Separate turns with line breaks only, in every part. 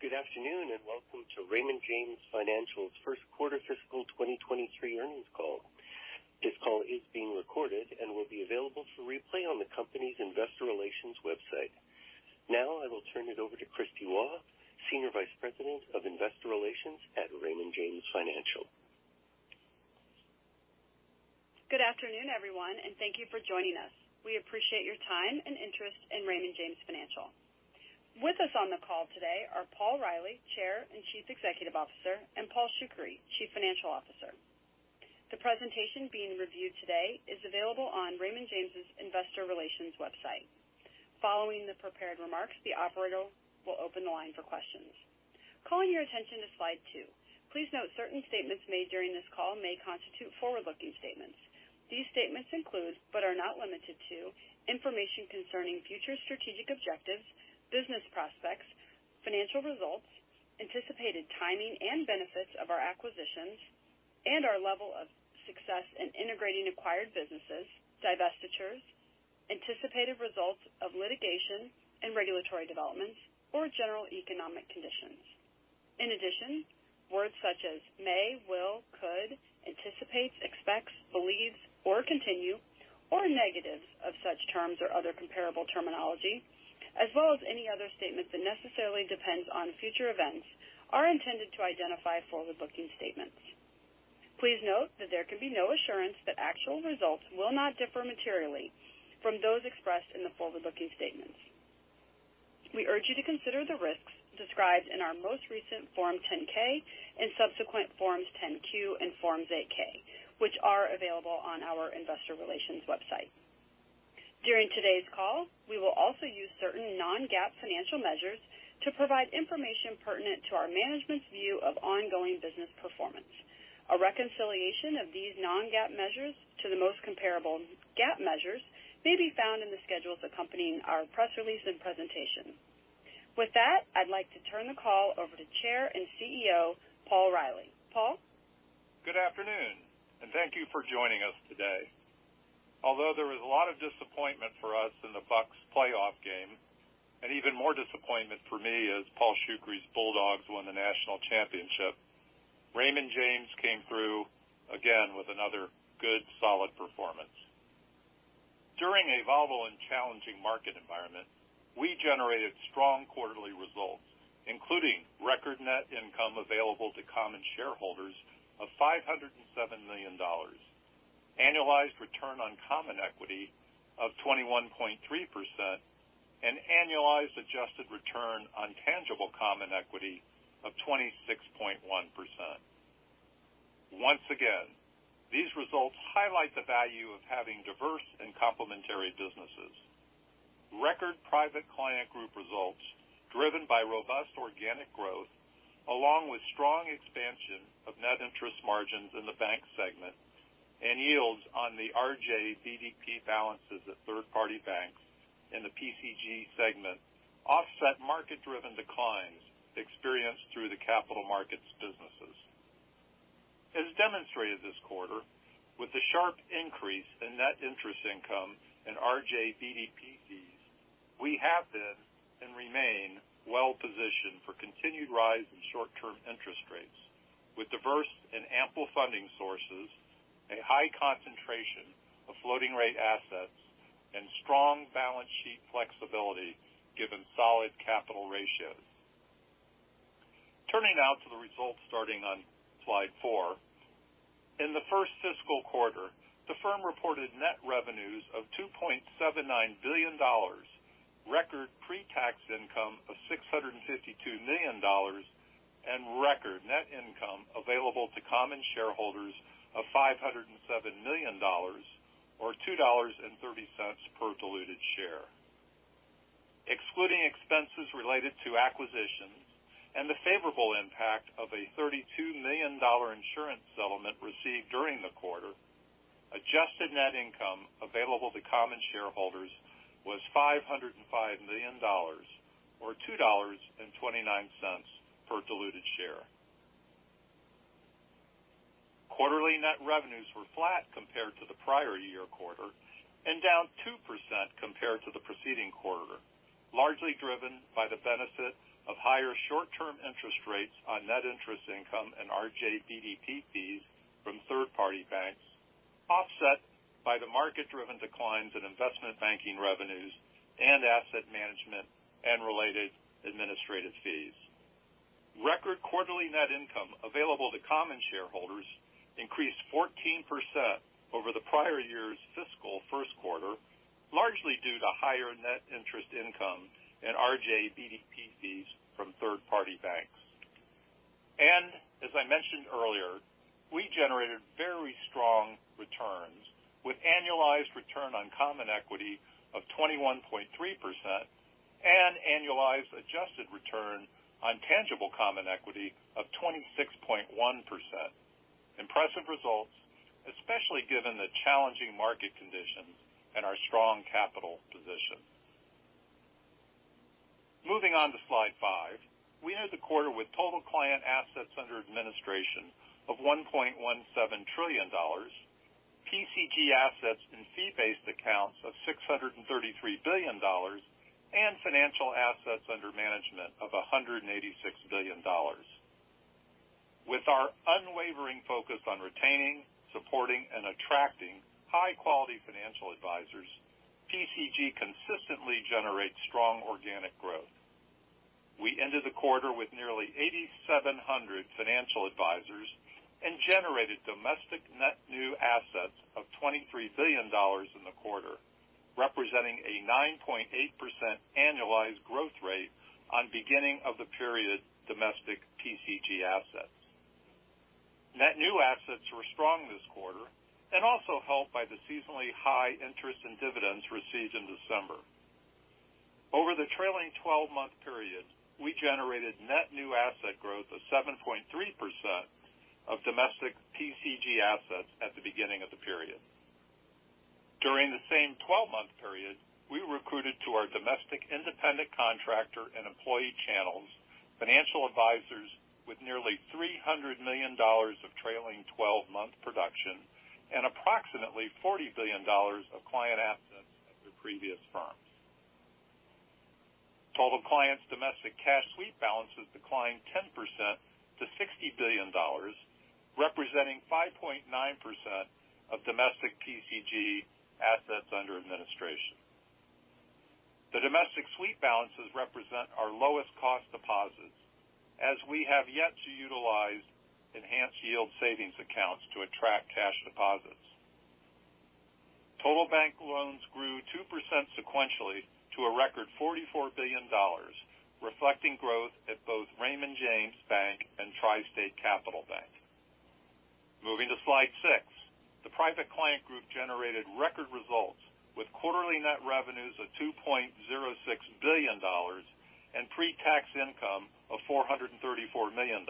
Good afternoon, welcome to Raymond James Financial's First Quarter Fiscal 2023 Earnings Call. This call is being recorded and will be available for replay on the company's Investor Relations website. Now I will turn it over to Kristie Waugh, Senior Vice President of Investor Relations at Raymond James Financial.
Good afternoon, everyone, and thank you for joining us. We appreciate your time and interest in Raymond James Financial. With us on the call today are Paul Reilly, Chair and Chief Executive Officer, and Paul Shoukry, Chief Financial Officer. The presentation being reviewed today is available on Raymond James' Investor Relations website. Following the prepared remarks, the operator will open the line for questions. Calling your attention to slide two. Please note certain statements made during this call may constitute forward-looking statements. These statements include, but are not limited to, information concerning future strategic objectives, business prospects, financial results, anticipated timing and benefits of our acquisitions and our level of success in integrating acquired businesses, divestitures, anticipated results of litigation and regulatory developments or general economic conditions. In addition, words such as may, will, could, anticipates, expects, believes, or continue, or negatives of such terms or other comparable terminology, as well as any other statement that necessarily depends on future events, are intended to identify forward-looking statements. Please note that there can be no assurance that actual results will not differ materially from those expressed in the forward-looking statements. We urge you to consider the risks described in our most recent Form 10-K and subsequent Forms 10-Q and Forms 8-K, which are available on our Investor Relations website. During today's call, we will also use certain non-GAAP financial measures to provide information pertinent to our management's view of ongoing business performance. A reconciliation of these non-GAAP measures to the most comparable GAAP measures may be found in the schedules accompanying our press release and presentation. With that, I'd like to turn the call over to Chair and CEO, Paul Reilly. Paul?
Good afternoon. Thank you for joining us today. Although there was a lot of disappointment for us in the Bucs playoff game, and even more disappointment for me as Paul Shoukry's Bulldogs won the national championship, Raymond James came through again with another good, solid performance. During a volatile and challenging market environment, we generated strong quarterly results, including record net income available to common shareholders of $507 million, annualized return on common equity of 21.3%, and annualized adjusted return on tangible common equity of 26.1%. Once again, these results highlight the value of having diverse and complementary businesses. Record Private Client Group results driven by robust organic growth, along with strong expansion of net interest margins in the bank segment and yields on the RJBDP balances at third-party banks in the PCG segment offset market-driven declines experienced through the Capital Markets businesses. As demonstrated this quarter, with the sharp increase in net interest income and RJBDP fees, we have been and remain well positioned for continued rise in short-term interest rates with diverse and ample funding sources, a high concentration of floating-rate assets, and strong balance sheet flexibility given solid capital ratios. Turning now to the results starting on slide four. In the first fiscal quarter, the firm reported net revenues of $2.79 billion, record pre-tax income of $652 million, and record net income available to common shareholders of $507 million or $2.30 per diluted share. Excluding expenses related to acquisitions and the favorable impact of a $32 million insurance settlement received during the quarter, adjusted net income available to common shareholders was $505 million or $2.29 per diluted share. Quarterly net revenues were flat compared to the prior year quarter and down 2% compared to the preceding quarter, largely driven by the benefit of higher short-term interest rates on net interest income and RJBDP fees from third-party banks, offset by the market-driven declines in investment banking revenues and Asset Management and related administrative fees. Record quarterly net income available to common shareholders increased 14% over the prior year's fiscal first quarter, largely due to higher net interest income and RJBDP fees from third-party banks. As I mentioned earlier, we generated very strong returns with annualized return on common equity of 21.3% and annualized adjusted return on tangible common equity of 26.1%. Impressive results, especially given the challenging market conditions and our strong capital position. Moving on to slide five. We ended the quarter with total client assets under administration of $1.17 trillion. PCG assets and fee-based accounts of $633 billion and financial assets under management of $186 billion. With our unwavering focus on retaining, supporting, and attracting high-quality financial advisors, PCG consistently generates strong organic growth. We ended the quarter with nearly 8,700 financial advisors and generated domestic net new assets of $23 billion in the quarter, representing a 9.8% annualized growth rate on beginning of the period domestic PCG assets. Net new assets were strong this quarter also helped by the seasonally high interest and dividends received in December. Over the trailing 12-month period, we generated net new asset growth of 7.3% of domestic PCG assets at the beginning of the period. During the same 12-month period, we recruited to our domestic independent contractor and employee channels, financial advisors with nearly $300 million of trailing 12-month production and approximately $40 billion of client assets at their previous firms. Total clients domestic cash sweep balances declined 10% to $60 billion, representing 5.9% of domestic PCG assets under administration. The domestic sweep balances represent our lowest cost deposits, as we have yet to utilize enhanced yield savings accounts to attract cash deposits. Total bank loans grew 2% sequentially to a record $44 billion, reflecting growth at both Raymond James Bank and TriState Capital Bank. Moving to slide six. The Private Client Group generated record results with quarterly net revenues of $2.06 billion and pre-tax income of $434 million.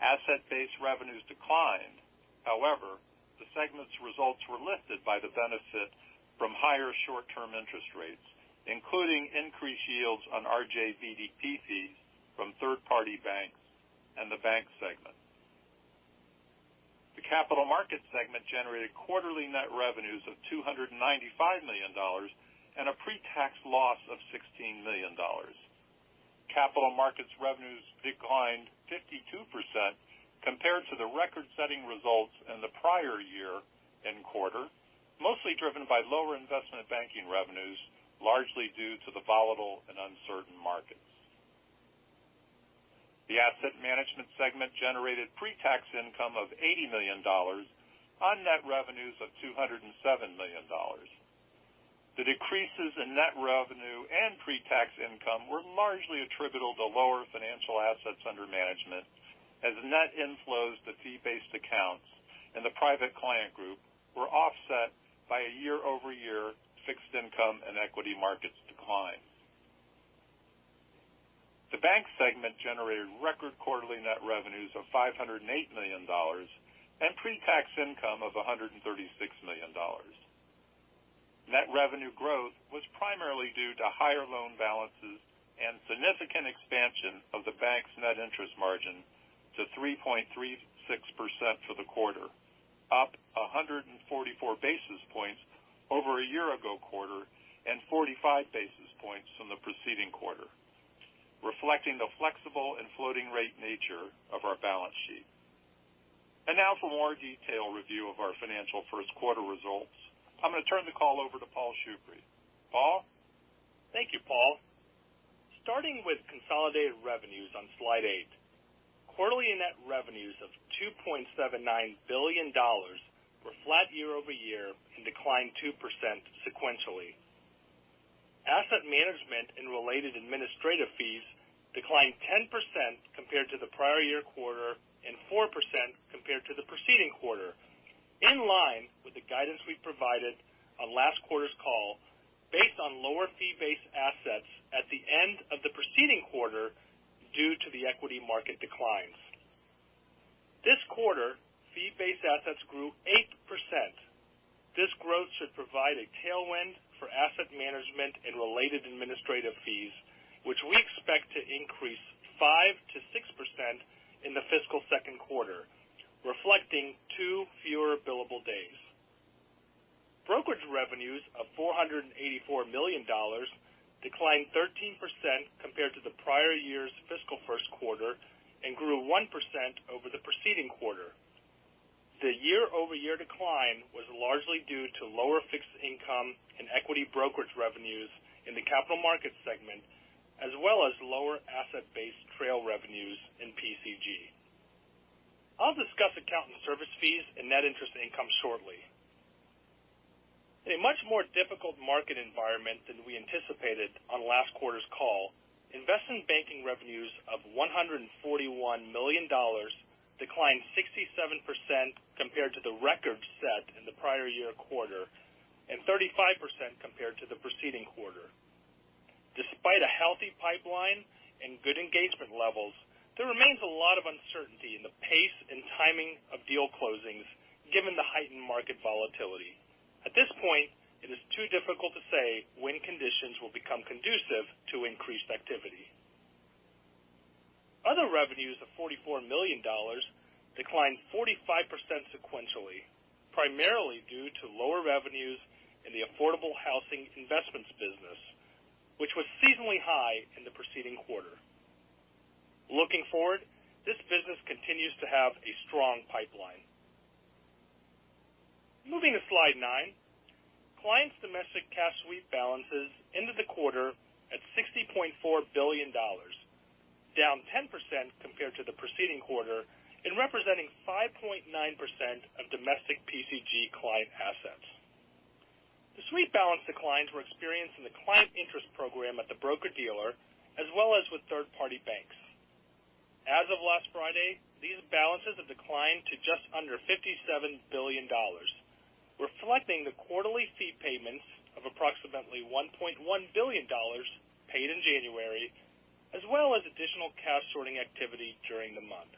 Asset-based revenues declined. However, the segment's results were lifted by the benefit from higher short-term interest rates, including increased yields on RJBDPs from third-party banks and the bank segment. The Capital Markets segment generated quarterly net revenues of $295 million and a pre-tax loss of $16 million. Capital Markets revenues declined 52% compared to the record-setting results in the prior year and quarter, mostly driven by lower investment banking revenues, largely due to the volatile and uncertain markets. The Asset Management segment generated pre-tax income of $80 million on net revenues of $207 million. The decreases in net revenue and pre-tax income were largely attributable to lower financial assets under management as net inflows to fee-based accounts in the Private Client Group were offset by a year-over-year fixed income and equity markets decline. The bank segment generated record quarterly net revenues of $508 million and pre-tax income of $136 million. Net revenue growth was primarily due to higher loan balances and significant expansion of the bank's net interest margin to 3.36% for the quarter, up 144 basis points over a year ago quarter and 45 basis points from the preceding quarter, reflecting the flexible and floating rate nature of our balance sheet. Now for more detailed review of our financial first quarter results, I'm gonna turn the call over to Paul Shoukry. Paul?
Thank you, Paul. Starting with consolidated revenues on slide eight. Quarterly net revenues of $2.79 billion were flat year-over-year and declined 2% sequentially. Asset Management and related administrative fees declined 10% compared to the prior year quarter and 4% compared to the preceding quarter, in line with the guidance we provided on last quarter's call based on lower fee-based assets at the end of the preceding quarter due to the equity market declines. This quarter, fee-based assets grew 8%. This growth should provide a tailwind for Asset Management and related administrative fees, which we expect to increase 5%-6% in the fiscal second quarter, reflecting two fewer billable days. Brokerage revenues of $484 million declined 13% compared to the prior year's fiscal first quarter and grew 1% over the preceding quarter. The year-over-year decline was largely due to lower fixed income and equity brokerage revenues in the Capital Markets segment, as well as lower asset-based trail revenues in PCG. I'll discuss account and service fees and net interest income shortly. In a much more difficult market environment than we anticipated on last quarter's call, investment banking revenues of $141 million declined 67% compared to the record set in the prior year quarter, and 35% compared to the preceding quarter. Despite a healthy pipeline and good engagement levels, there remains a lot of uncertainty in the pace and timing of deal closings given the heightened market volatility. At this point, it is too difficult to say when conditions will become conducive to increased activity. Other revenues of $44 million declined 45% sequentially, primarily due to lower revenues in the affordable housing investments business, which was seasonally high in the preceding quarter. Looking forward, this business continues to have a strong pipeline. Moving to slide nine. Clients domestic cash sweep balances ended the quarter at $60.4 billion, down 10% compared to the preceding quarter, and representing 5.9% of domestic PCG client assets. The sweep balance declines were experienced in the Client Interest Program at the broker-dealer, as well as with third-party banks. As of last Friday, these balances have declined to just under $57 billion, reflecting the quarterly fee payments of approximately $1.1 billion paid in January, as well as additional cash sorting activity during the month.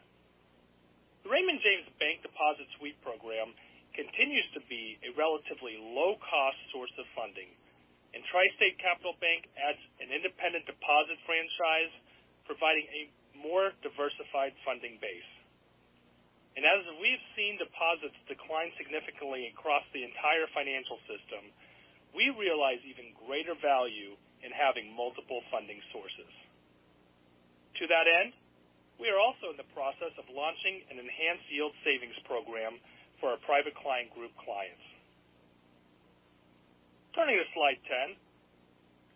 The Raymond James Bank Deposit Sweep program continues to be a relatively low-cost source of funding, TriState Capital Bank adds an independent deposit franchise, providing a more diversified funding base. As we've seen deposits decline significantly across the entire financial system, we realize even greater value in having multiple funding sources. To that end, we are also in the process of launching an Enhanced Yield Savings Program for our Private Client Group clients. Turning to slide 10.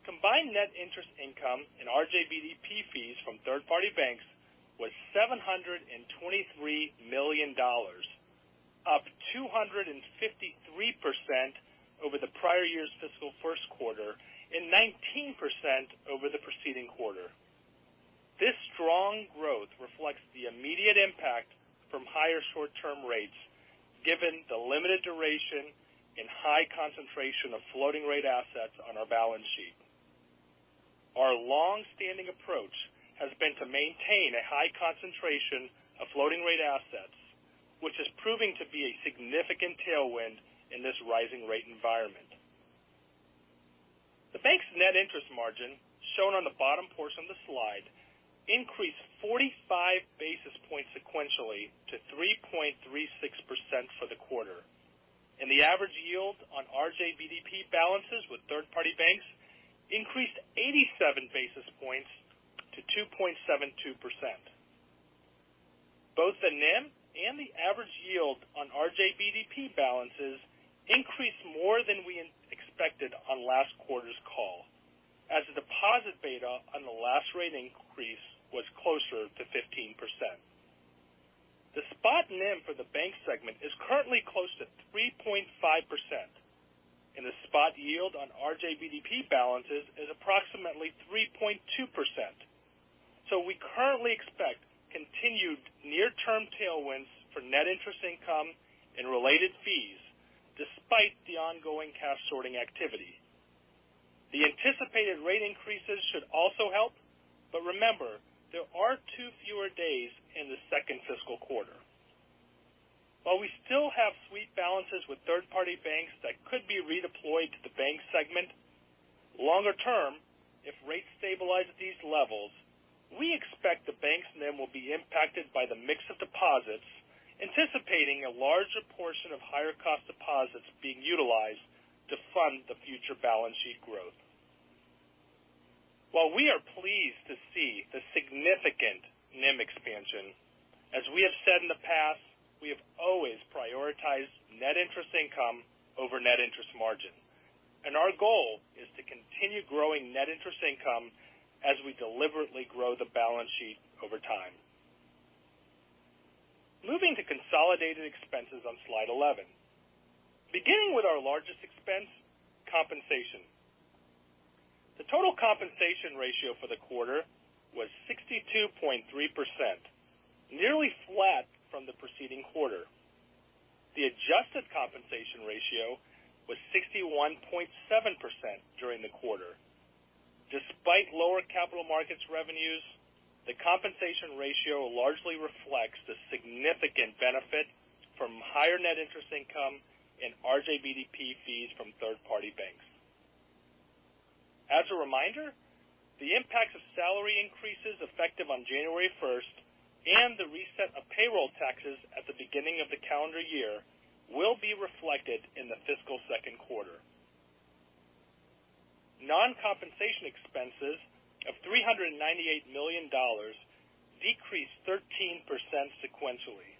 Combined net interest income and RJBDP fees from third-party banks was $723 million, up 253% over the prior year's fiscal first quarter and 19% over the preceding quarter. This strong growth reflects the immediate impact from higher short-term rates given the limited duration and high concentration of floating rate assets on our balance sheet. Our long-standing approach has been to maintain a high concentration of floating rate assets, which is proving to be a significant tailwind in this rising rate environment. The bank's net interest margin, shown on the bottom portion of the slide, increased 45 basis points sequentially to 3.36% for the quarter, and the average yield on RJBDP balances with third-party banks increased 87 basis points to 2.72%. Both the NIM and the average yield on RJBDP balances increased more than we expected on last quarter's call, as the deposit beta on the last rate increase was closer to 15%. The spot NIM for the bank segment is currently close to 3.5%, and the spot yield on RJBDP balances is approximately 3.2%. We currently expect continued near-term tailwinds for net interest income and related fees despite the ongoing cash sorting activity. The anticipated rate increases should also help. Remember, there are two fewer days in the second fiscal quarter. While we still have sweep balances with third-party banks that could be redeployed to the Bank segment, longer term, if rates stabilize at these levels, we expect the bank's NIM will be impacted by the mix of deposits, anticipating a larger portion of higher cost deposits being utilized to fund the future balance sheet growth. While we are pleased to see the significant NIM expansion, as we have said in the past, we have always prioritized net interest income over net interest margin, and our goal is to continue growing net interest income as we deliberately grow the balance sheet over time. Moving to consolidated expenses on slide 11. Beginning with our largest expense, compensation. The total compensation ratio for the quarter was 62.3%, nearly flat from the preceding quarter. The adjusted compensation ratio was 61.7% during the quarter. Despite lower Capital Markets revenues, the compensation ratio largely reflects the significant benefit from higher net interest income and RJBDP fees from third-party banks. As a reminder, the impact of salary increases effective on January 1st and the reset of payroll taxes at the beginning of the calendar year will be reflected in the fiscal 2nd quarter. Non-compensation expenses of $398 million decreased 13% sequentially.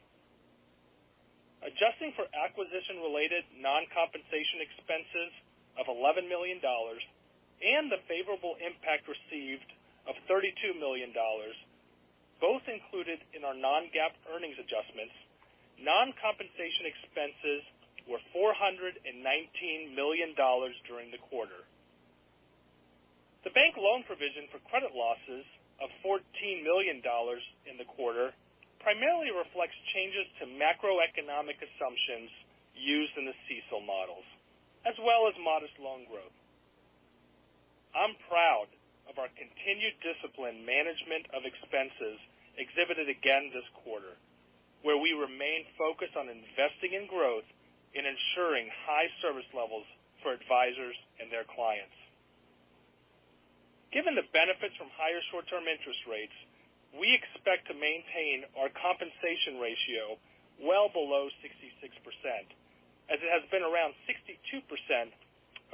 Adjusting for acquisition-related non-compensation expenses of $11 million and the favorable impact received of $32 million, both included in our non-GAAP earnings adjustments, non-compensation expenses were $419 million during the quarter. The bank loan provision for credit losses of $14 million in the quarter primarily reflects changes to macroeconomic assumptions used in the CECL models, as well as modest loan growth. I'm proud of our continued disciplined management of expenses exhibited again this quarter. We remain focused on investing in growth and ensuring high service levels for advisors and their clients. Given the benefits from higher short-term interest rates, we expect to maintain our compensation ratio well below 66%, as it has been around 62%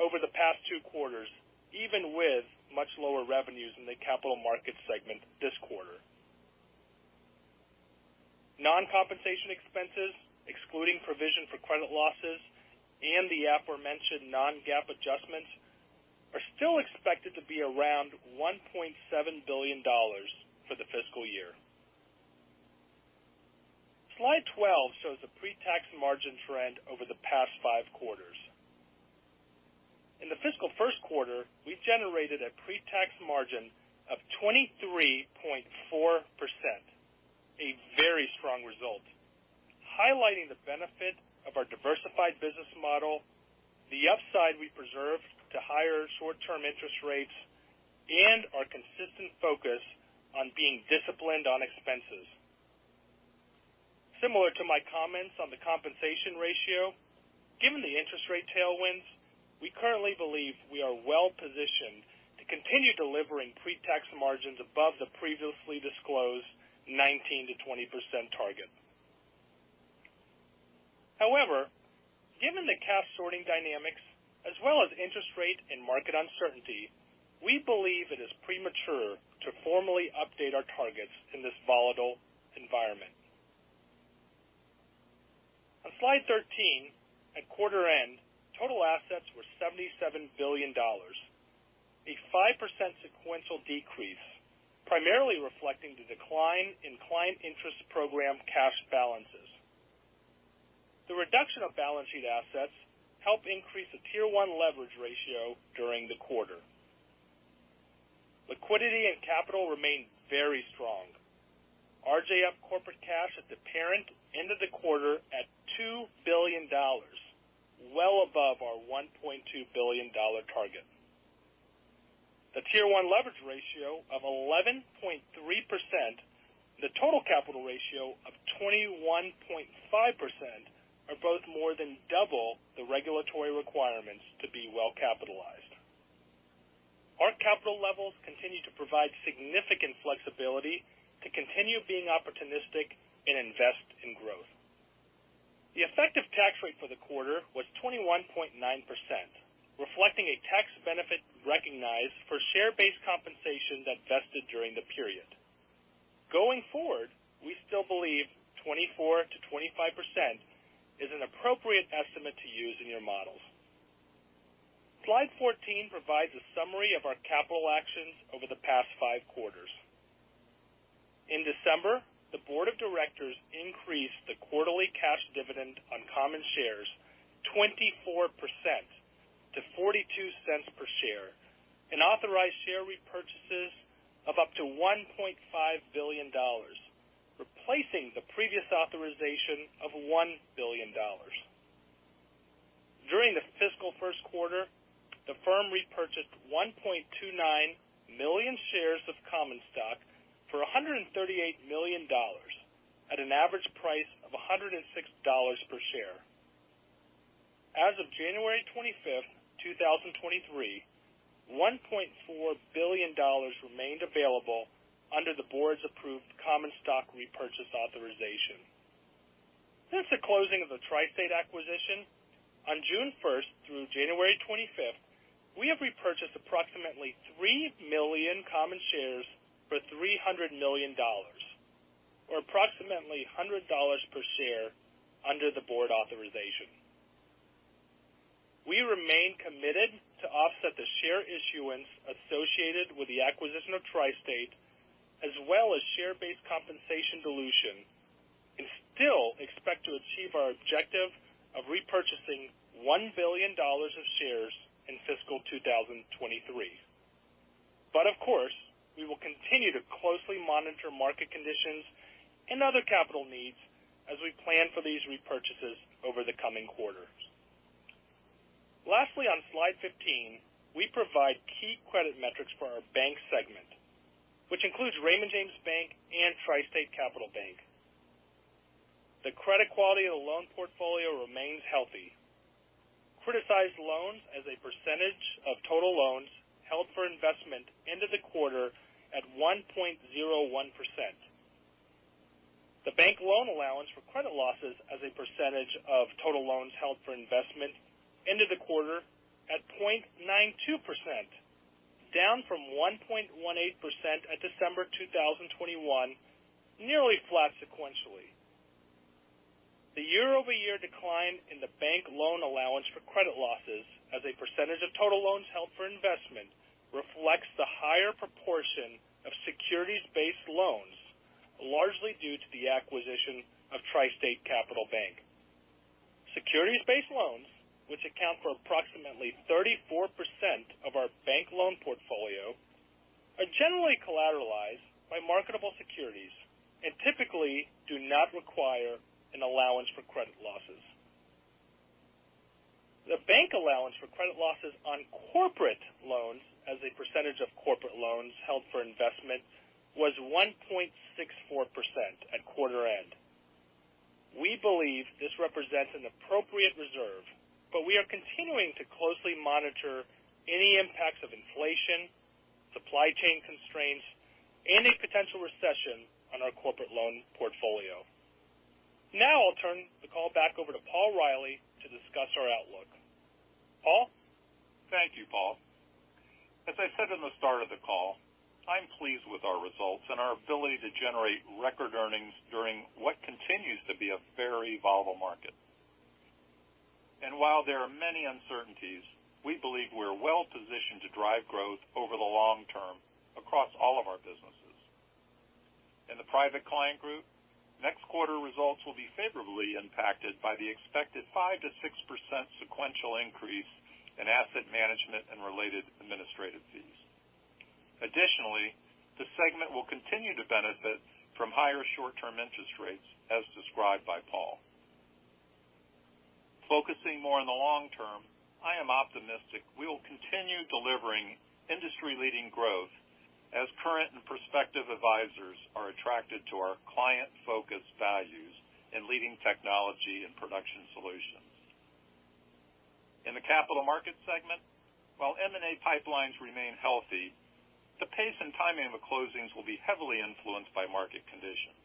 over the past two quarters, even with much lower revenues in the Capital Markets segment this quarter. Non-compensation expenses, excluding provision for credit losses and the aforementioned non-GAAP adjustments, are still expected to be around $1.7 billion for the fiscal year. Slide 12 shows the pre-tax margin trend over the past five quarters. In the fiscal first quarter, we generated a pre-tax margin of 23.4%. A very strong result. Highlighting the benefit of our diversified business model, the upside we preserved to higher short-term interest rates, and our consistent focus on being disciplined on expenses. Similar to my comments on the compensation ratio, given the interest rate tailwinds, we currently believe we are well positioned to continue delivering pre-tax margins above the previously disclosed 19%-20% target. Given the cash sorting dynamics as well as interest rate and market uncertainty, we believe it is premature to formally update our targets in this volatile environment. On slide 13, at quarter end, total assets were $77 billion, a 5% sequential decrease, primarily reflecting the decline in Client Interest Program cash balances. The reduction of balance sheet assets help increase the Tier 1 leverage ratio during the quarter. Liquidity and capital remained very strong. RJF corporate cash at the parent ended the quarter at $2 billion, well above our $1.2 billion target. The Tier 1 leverage ratio of 11.3%, the total capital ratio of 21.5% are both more than double the regulatory requirements to be well capitalized. Our capital levels continue to provide significant flexibility to continue being opportunistic and invest in growth. The effective tax rate for the quarter was 21.9%, reflecting a tax benefit recognized for share-based compensation that vested during the period. Going forward, we still believe 24%-25% is an appropriate estimate to use in your models. Slide 14 provides a summary of our capital actions over the past five quarters. In December, the board of directors increased the quarterly cash dividend on common shares 24% to $0.42 per share, and authorized share repurchases of up to $1.5 billion, replacing the previous authorization of $1 billion. During the fiscal first quarter, the firm repurchased 1.29 million shares of common stock for $138 million at an average price of $106 per share. As of January 25th, 2023, $1.4 billion remained available under the board's approved common stock repurchase authorization. Since the closing of the TriState acquisition, on June 1st through January 25th, we have repurchased approximately 3 million common shares for $300 million, or approximately $100 per share under the board authorization. We remain committed to offset the share issuance associated with the acquisition of TriState, as well as share-based compensation dilution, still expect to achieve our objective of repurchasing $1 billion of shares in fiscal 2023. Of course, we will continue to closely monitor market conditions and other capital needs as we plan for these repurchases over the coming quarters. Lastly, on slide 15, we provide key credit metrics for our bank segment, which includes Raymond James Bank and TriState Capital Bank. The credit quality of the loan portfolio remains healthy. Criticized loans as a percentage of total loans held for investment ended the quarter at 1.01%. The bank loan allowance for credit losses as a percentage of total loans held for investment ended the quarter at 0.92%, down from 1.18% at December 2021, nearly flat sequentially. The year-over-year decline in the bank loan allowance for credit losses as a percentage of total loans held for investment reflects the higher proportion of securities-based loans, largely due to the acquisition of TriState Capital Bank. Securities-based loans, which account for approximately 34% of our bank loan portfolio, are generally collateralized by marketable securities and typically do not require an allowance for credit losses. The bank allowance for credit losses on corporate loans as a percentage of corporate loans held for investment was 1.64% at quarter end. We believe this represents an appropriate reserve, but we are continuing to closely monitor any impacts of inflation, supply chain constraints, and a potential recession on our corporate loan portfolio. I'll turn the call back over to Paul Reilly to discuss our outlook. Paul?
Thank you, Paul. As I said in the start of the call, I'm pleased with our results and our ability to generate record earnings during what continues to be a very volatile market. While there are many uncertainties, we believe we're well-positioned to drive growth over the long term across all of our businesses. In the Private Client Group, next quarter results will be favorably impacted by the expected 5%-6% sequential increase in Asset Management and related administrative fees. The segment will continue to benefit from higher short-term interest rates, as described by Paul. Focusing more on the long term, I am optimistic we will continue delivering industry-leading growth as current and prospective advisors are attracted to our client-focused values and leading technology and production solutions. In the Capital Market segment, while M&A pipelines remain healthy, the pace and timing of the closings will be heavily influenced by market conditions.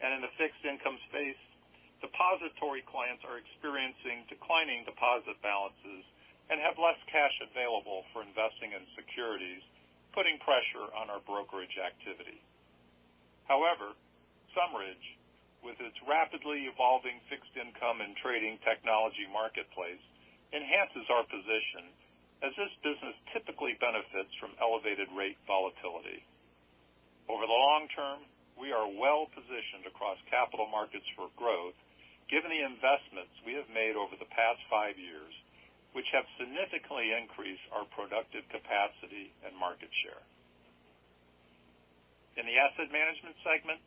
In the fixed income space, depository clients are experiencing declining deposit balances and have less cash available for investing in securities, putting pressure on our brokerage activity. However, SumRidge, with its rapidly evolving fixed income and trading technology marketplace, enhances our position as this business typically benefits from elevated rate volatility. Over the long term, we are well-positioned across capital markets for growth given the investments we have made over the past five years, which have significantly increased our productive capacity and market share. In the Asset Management segment,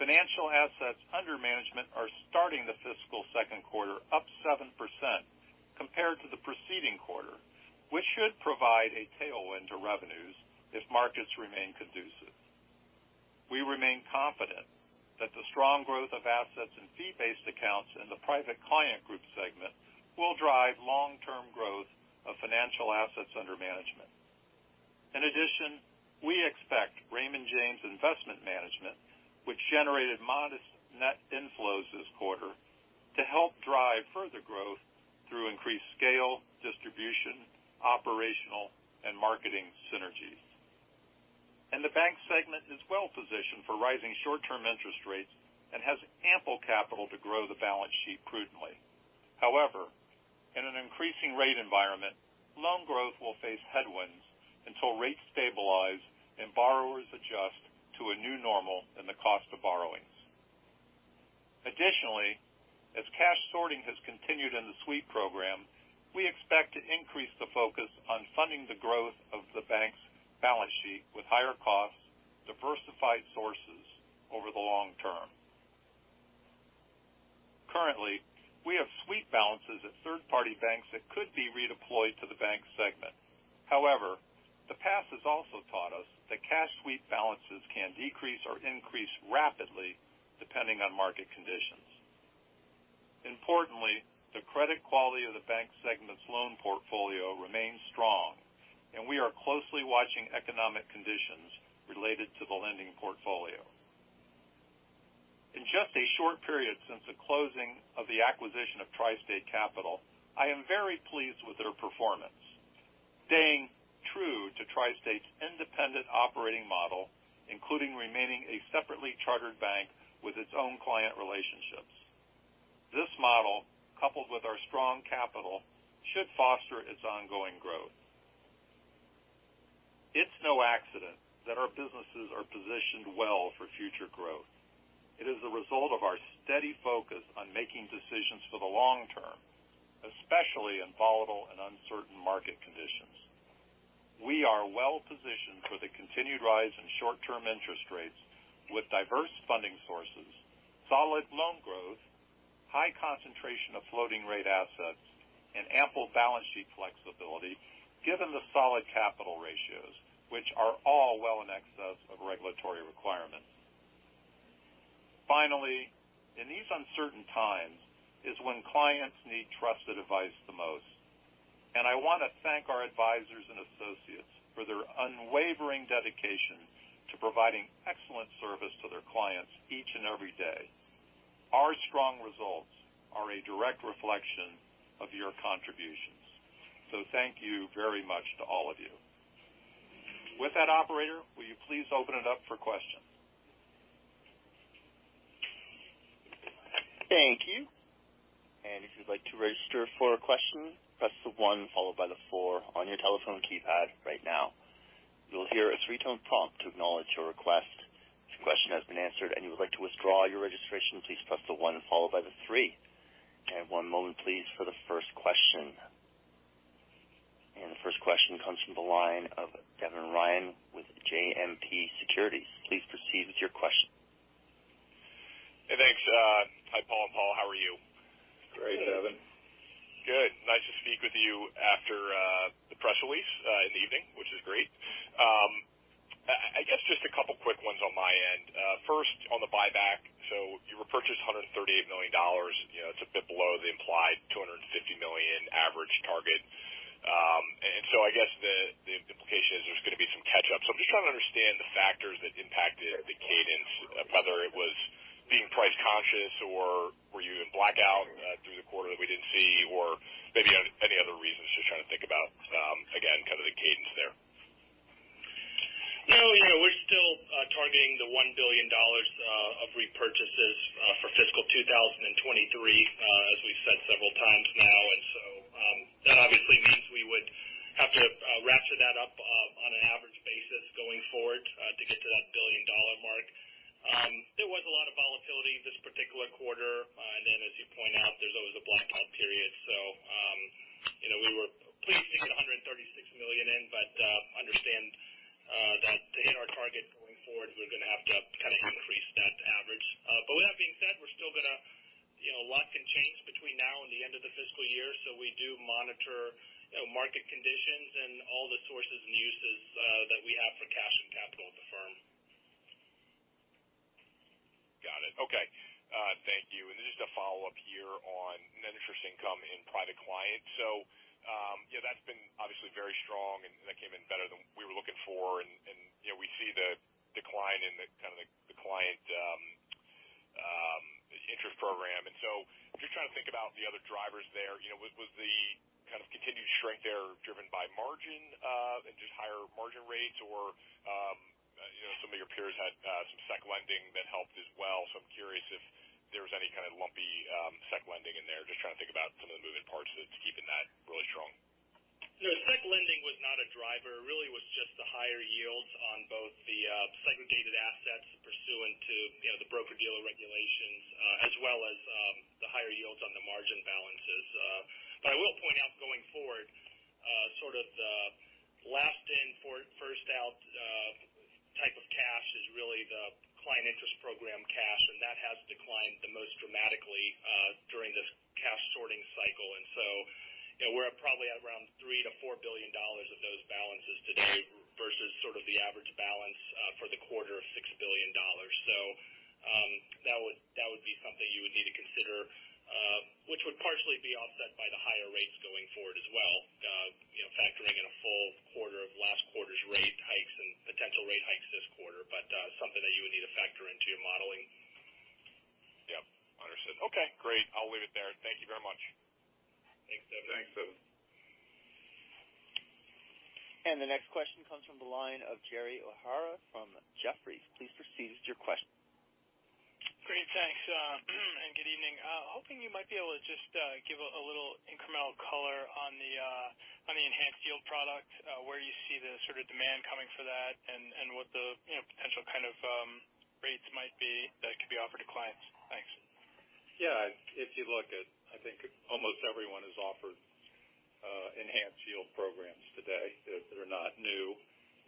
financial assets under management are starting the fiscal second quarter up 7% compared to the preceding quarter, which should provide a tailwind to revenues if markets remain conducive. We remain confident that the strong growth of assets in fee-based accounts in the Private Client Group segment will drive long-term growth of financial assets under management. In addition, we expect Raymond James Investment Management, which generated modest net inflows this quarter, to help drive further growth through increased scale, distribution, operational, and marketing synergies. The bank segment is well-positioned for rising short-term interest rates and has ample capital to grow the balance sheet prudently. However, in an increasing rate environment, loan growth will face headwinds until rates stabilize and borrowers adjust to a new normal in the cost of borrowings. Additionally, as cash sorting has continued in the sweep program, we expect to increase the focus on funding the growth of the bank's balance sheet with higher costs, diversified sources over the long term. Currently, we have suite balances at third-party banks that could be redeployed to the bank segment. However, the past has also taught us that cash suite balances can decrease or increase rapidly depending on market conditions. Importantly, the credit quality of the bank segment's loan portfolio remains strong, and we are closely watching economic conditions related to the lending portfolio. In just a short period since the closing of the acquisition of TriState Capital, I am very pleased with their performance, staying true to TriState's independent operating model, including remaining a separately chartered bank with its own client relationships. This model, coupled with our strong capital, should foster its ongoing growth. It's no accident that our businesses are positioned well for future growth. It is a result of our steady focus on making decisions for the long term, especially in volatile and uncertain market conditions. We are well-positioned for the continued rise in short-term interest rates with diverse funding sources, solid loan growth, high concentration of floating rate assets, and ample balance sheet flexibility, given the solid capital ratios, which are all well in excess of regulatory requirements. Finally, in these uncertain times is when clients need trusted advice the most, and I wanna thank our advisors and associates for their unwavering dedication to providing excellent service to their clients each and every day. Our strong results are a direct reflection of your contributions. Thank you very much to all of you. With that, operator, will you please open it up for questions?
Thank you. If you'd like to register for a question, press the one followed by the four on your telephone keypad right now. You'll hear a three-tone prompt to acknowledge your request. If your question has been answered and you would like to withdraw your registration, please press the one followed by the three. One moment please for the first question. The first question comes from the line of Devin Ryan with JMP Securities. Please proceed with your question.
Hey, thanks. Hi, Paul and Paul. How are you?
Great, Devin.
Good. Nice to speak with you after the press release in the evening, which is great. I guess just a couple quick ones on my end. First on the buyback. You repurchased $138 million. You know, it's a bit below the implied $250 million average target. I guess the implication is there's gonna be some catch up. I'm just trying to understand the factors that impacted the cadence of whether it was being price conscious or were you in blackout through the quarter that we didn't see or maybe any other reasons. Just trying to think about, again, kind of the cadence there.
You know, we're still targeting the $1 billion of repurchases for fiscal 2023, as we've said several times now. That obviously means we would have to ratchet that up on an average basis going forward to get to that $1 billion mark. There was a lot of volatility this particular quarter. As you point out, there's always a blackout period. You know, we were pleased to get $136 million in. Understand that to hit our target going forward, we're gonna have to kind of increase that average. With that being said, we're still gonna... You know, a lot can change between now and the end of the fiscal year. We do monitor, you know, market conditions and all the sources and uses that we have for cash and capital at the firm.
Got it. Okay. Thank you. Then just a follow-up here on net interest income in Private Client. Yeah, that's been obviously very strong, and that came in better than we were looking for. You know, we see the decline in the kind of the Client Interest Program. Just trying to think about the other drivers there. You know, was the kind of continued shrink there driven by margin and just higher margin rates? Or, you know, some of your peers had some SEC lending that helped as well. I'm curious if there was any kind of lumpy SEC lending in there. Just trying to think about some of the moving parts that's keeping that really strong.
No, SEC lending was not a driver. Really was just the higher yields on both the segregated assets pursuant to, you know, the broker-dealer regulations, as well as the higher yields on the margin balances. I will point out going forward, sort of the last in, first out, type of cash is really the Client Interest Program cash, and that has declined the most dramatically during this cash sorting cycle. You know, we're probably at around $3 billion-$4 billion of those balances today versus sort of the average balance for the quarter of $6 billion. That would be something you would need to consider, which would partially be offset by the higher rates going forward as well, you know, factoring in a full quarter of last quarter's rate hikes and potential rate hikes this quarter. Something that you would need to factor into your modeling.
Yep. Understood. Okay, great. I'll leave it there. Thank you very much.
Thanks, Devin.
Thanks, Devin.
The next question comes from the line of Jerry O'Hara from Jefferies. Please proceed with your question.
Great. Thanks, and good evening. Hoping you might be able to just give a little incremental color on the enhanced yield product, where you see the sort of demand coming for that and what the, you know, potential kind of rates might be that could be offered to clients. Thanks.
Yeah. If you look at, I think almost everyone has offered enhanced yield programs today. They're not new.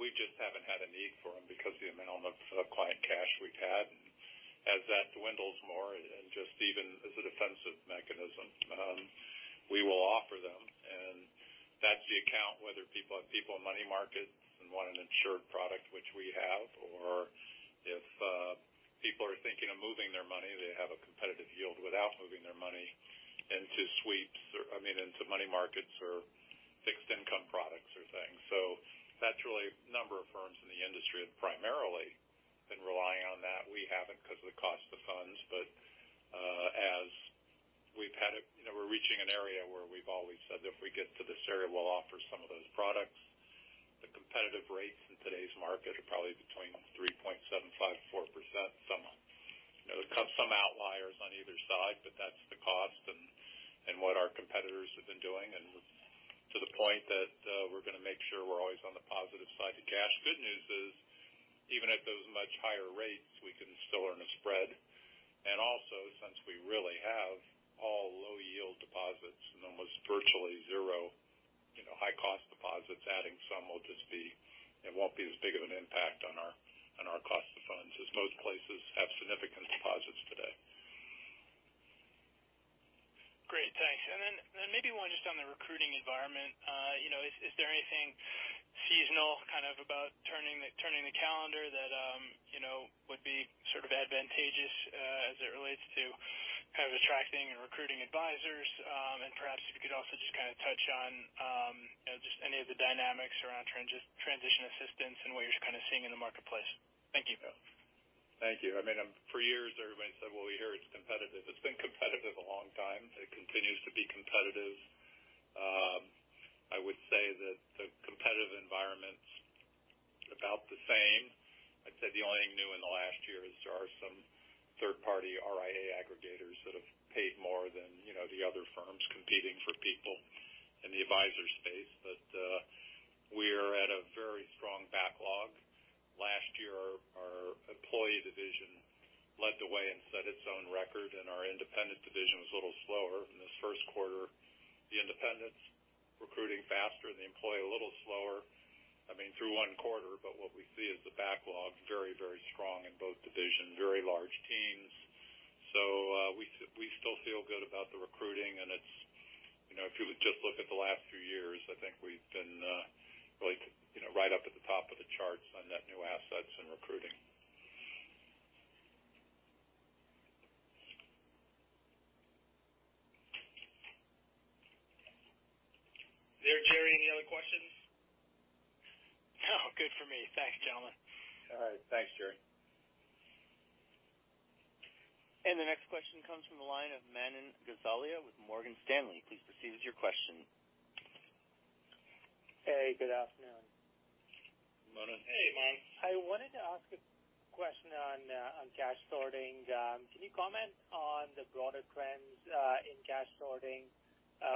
We just haven't had a need for them because the amount of client cash we've had. As that dwindles more and just even as a defensive mechanism, we will offer them. That's the account, whether people have people in money markets and want an insured product which we have, or if people are thinking of moving their money, they have a competitive yield without moving their money into sweeps or into money markets or fixed income products or things. That's really a number of firms in the industry have primarily been relying on that. We haven't 'cause of the cost of funds. As we've had a... You know, we're reaching an area where we've always said if we get to this area, we'll offer some of those products. The competitive rates in today's market are probably between 3.75%-4%, somewhere. You know, there's some outliers on either side, but that's the cost and what our competitors have been doing. To the point that we're gonna make sure we're always on the positive side of cash. Good news is, even at those much higher rates, we can still earn a spread. Also, since we really have all low yield deposits and almost virtually zero, you know, high cost deposits, adding some will just be, it won't be as big of an impact on our cost of funds, as most places have significant deposits today.
Great. Thanks. Then maybe one just on the recruiting environment. You know, is there anything seasonal kind of about turning the calendar that, you know, would be sort of advantageous, as it relates to kind of attracting and recruiting advisors? Perhaps if you could also just kind of touch on, you know, just any of the dynamics around transition assistance and what you're kind of seeing in the marketplace. Thank you.
Thank you. I mean, for years everybody said, "Well, we hear it's competitive." It's been competitive a long time. It continues to be competitive. I would say that the competitive environment's about the same. I'd say the only thing new in the last year is there are some third party RIA aggregators that have paid more than, you know, the other firms competing for people in the advisor space. Employee division led the way and set its own record, and our independent division was a little slower. In this first quarter, the independents recruiting faster, the employee a little slower. I mean, through one quarter, but what we see is the backlog very, very strong in both divisions, very large teams. We still feel good about the recruiting and it's, you know, if you just look at the last few years, I think we've been, like, you know, right up at the top of the charts on net new assets and recruiting.
Is there, Jerry, any other questions?
No, good for me. Thanks, gentlemen.
All right. Thanks, Jerry.
The next question comes from the line of Manan Gosalia with Morgan Stanley. Please proceed with your question.
Hey, good afternoon.
Good morning.
Hey, Manan.
I wanted to ask a question on cash sorting. Can you comment on the broader trends, in cash sorting?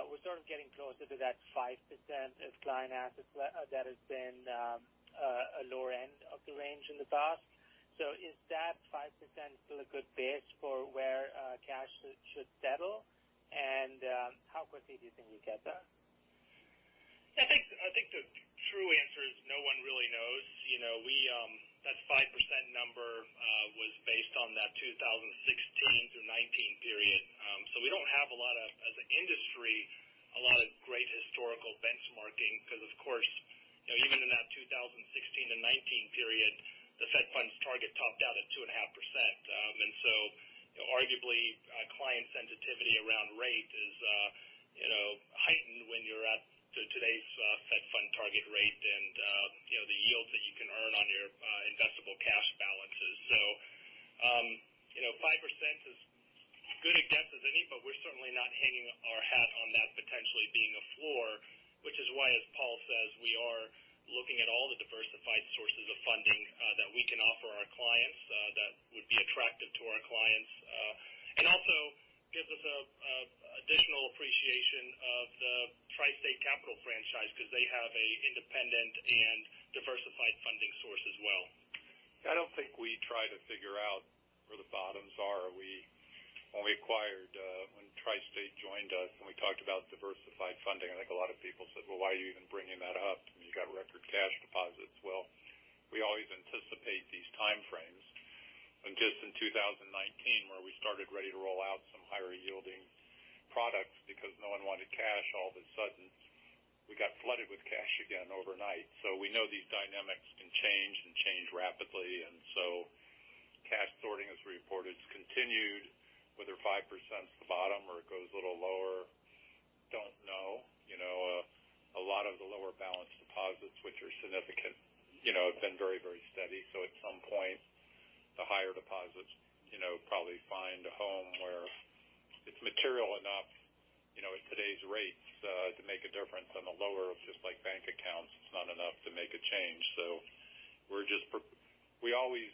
We're sort of getting closer to that 5% of client assets that has been a lower end of the range in the past. Is that 5% still a good base for where cash should settle? How quickly do you think we get there?
I think the true answer is no one really knows. You know, we. That 5% number was based on that 2016 through '19 period. We don't have a lot of, as an industry, a lot of great historical benchmarking because of course, you know, even in that 2016 to '19 period, the Fed funds target topped out at 2.5%. Arguably, client sensitivity around rate is, you know, heightened when you're at today's Fed fund target rate and, you know, the yields that you can earn on your investable cash balances. You know, 5% is as good a guess as any, but we're certainly not hanging our hat on that potentially being a floor, which is why, as Paul says, we are looking at all the diversified sources of funding that we can offer our clients that would be attractive to our clients. also gives us additional appreciation of the TriState Capital franchise because they have a independent and diversified funding source as well.
I don't think we try to figure out where the bottoms are. When we acquired TriState joined us and we talked about diversified funding, I think a lot of people said: "Well, why are you even bringing that up? You got record cash deposits." Well, we always anticipate these time frames. Just in 2019, where we started ready to roll out some higher yielding products because no one wanted cash, all of a sudden we got flooded with cash again overnight. We know these dynamics can change and change rapidly. Cash sorting as reported continued. Whether 5% is the bottom or it goes a little lower, don't know. You know, a lot of the lower balance deposits, which are significant, you know, have been very, very steady. At some point, the higher deposits, you know, probably find a home where it's material enough, you know, at today's rates, to make a difference on the lower. It's just like bank accounts. It's not enough to make a change. We always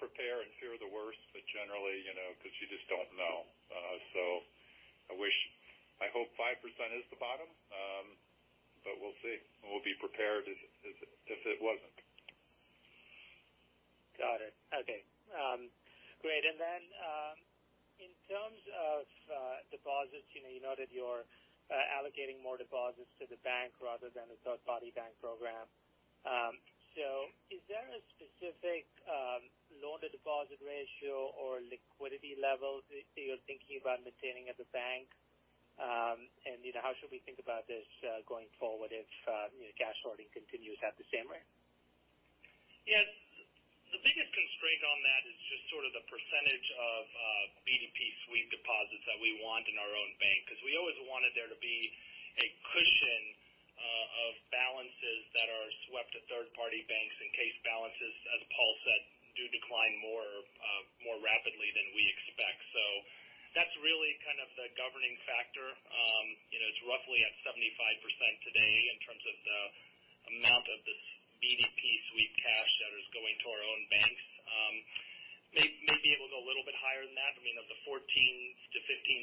prepare and fear the worst, but generally, you know, because you just don't know. I hope 5% is the bottom. But we'll see. We'll be prepared if it wasn't.
Got it. Okay. Great. In terms of deposits, you know, you noted you're allocating more deposits to the bank rather than a third-party bank program. Is there a specific loan to deposit ratio or liquidity level that you're thinking about maintaining at the bank? You know, how should we think about this going forward if, you know, cash sorting continues at the same rate?
Yes. The biggest constraint on that is just sort of the percentage of BDP sweep deposits that we want in our own bank, because we always wanted there to be a cushion of balances that are swept at third-party banks in case balances, as Paul said, do decline more rapidly than we expect. That's really kind of the governing factor. You know, it's roughly at 75% today in terms of the amount of this BDP sweep cash that is going to our own banks. Maybe it will go a little bit higher than that. I mean, of the $14 billion-$15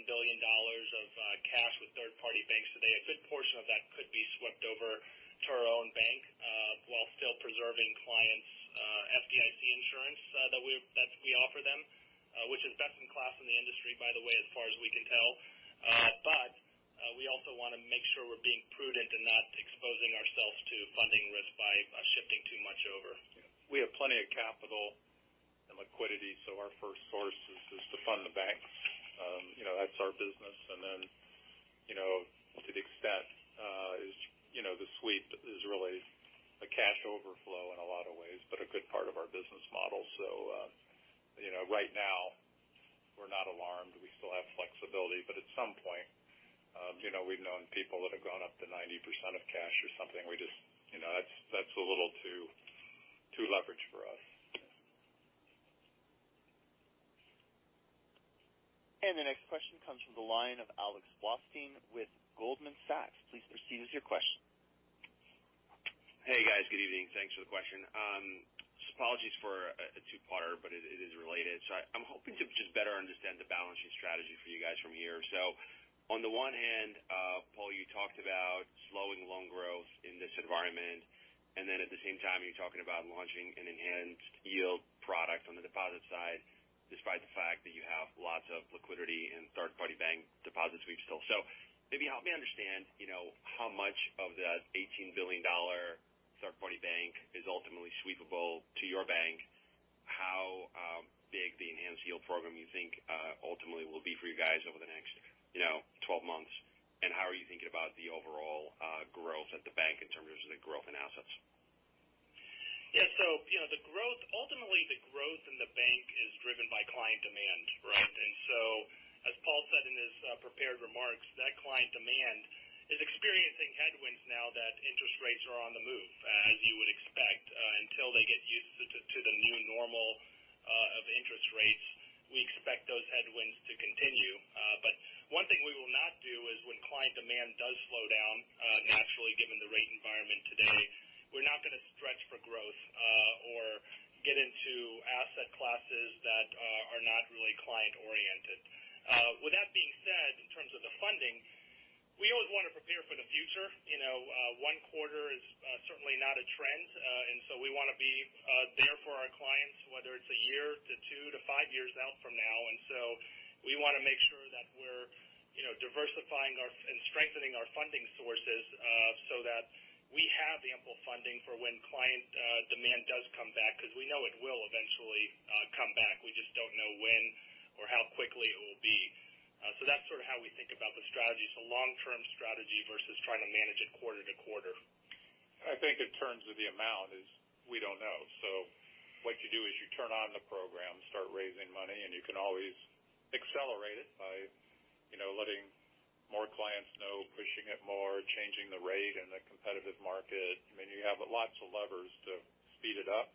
billion of cash with third-party banks today, a good portion of that could be swept over to our own bank, while still preserving clients' FDIC insurance that we offer them, which is best in class in the industry, by the way, as far as we can tell. We also want to make sure we're being prudent and not exposing ourselves to funding risk by shifting too much over.
We have plenty of capital and liquidity, our first source is to fund the banks. You know, that's our business. You know, to the extent, you know, the sweep is really a cash overflow in a lot of ways, but a good part of our business model. You know, right now we're not alarmed. We still have flexibility. At some point, you know, we've known people that have gone up to 90% of cash or something. We just, you know, that's a little too leveraged for us.
The next question comes from the line of Alex Blostein with Goldman Sachs. Please proceed with your question.
Hey, guys. Good evening. Thanks for the question. Just apologies for Potter, it is related. I'm hoping to just better understand the balancing strategy for you guys from here. On the one hand, Paul, you talked about slowing loan growth in this environment. At the same time, you're talking about launching an enhanced yield product on the deposit side, despite the fact that you have lots of liquidity and third-party bank deposits sweeps still. Maybe help me understand, you know, how much of that $18 billion third-party bank is ultimately sweepable to your bank. How big the Enhanced Yield Program you think ultimately will be for you guys over the next, you know, 12 months? How are you thinking about the overall growth at the bank in terms of the growth in assets?
You know, ultimately, the growth in the bank is driven by client demand, right? As Paul said in his prepared remarks, that client demand is experiencing headwinds now that interest rates are on the move, as you would expect. Until they get used to the new normal of interest rates, we expect those headwinds to continue. One thing we will not do is when client demand does slow down, naturally given the rate environment today, we're not gonna stretch for growth or get into asset classes that are not really client-oriented. With that being said, in terms of the funding, we always want to prepare for the future. You know, one quarter is certainly not a trend. We wanna be there for our clients, whether it's a year to two to five years out from now. We wanna make sure that we're, you know, diversifying and strengthening our funding sources, so that we have ample funding for when client demand does come back. 'Cause we know it will eventually come back. We just don't know when or how quickly it will be. That's sort of how we think about the strategy. Long term strategy versus trying to manage it quarter-to-quarter.
I think in terms of the amount is we don't know. What you do is you turn on the program, start raising money, and you can always accelerate it by, you know, letting more clients know, pushing it more, changing the rate in the competitive market. I mean, you have lots of levers to speed it up.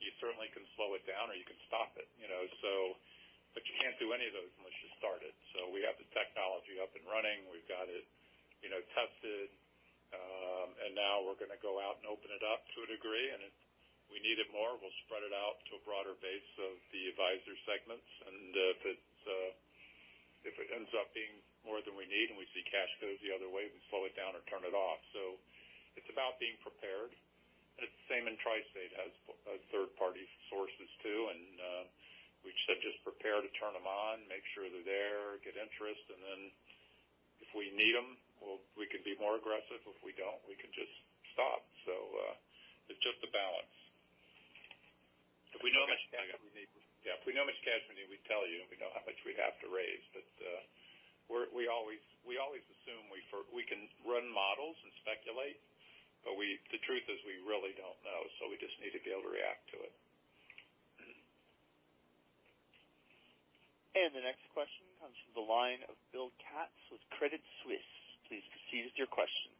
You certainly can slow it down or you can stop it, you know. You can't do any of those unless you start it. We have the technology up and running. We've got it, you know, tested. Now we're gonna go out and open it up to a degree. If we need it more, we'll spread it out to a broader base of the advisor segments. If it's, if it ends up being more than we need and we see cash goes the other way, we slow it down or turn it off. It's about being prepared. It's the same in TriState has third party sources too. We just prepare to turn them on, make sure they're there, get interest, and then if we need them, we can be more aggressive. If we don't, we can just stop. It's just a balance.
If we know how much cash we need.
Yeah, if we know how much cash we need, we'd tell you, and we know how much we have to raise. We always assume we can run models and speculate, the truth is we really don't know, so we just need to be able to react to it.
The next question comes from the line of Bill Katz with Credit Suisse. Please proceed with your question.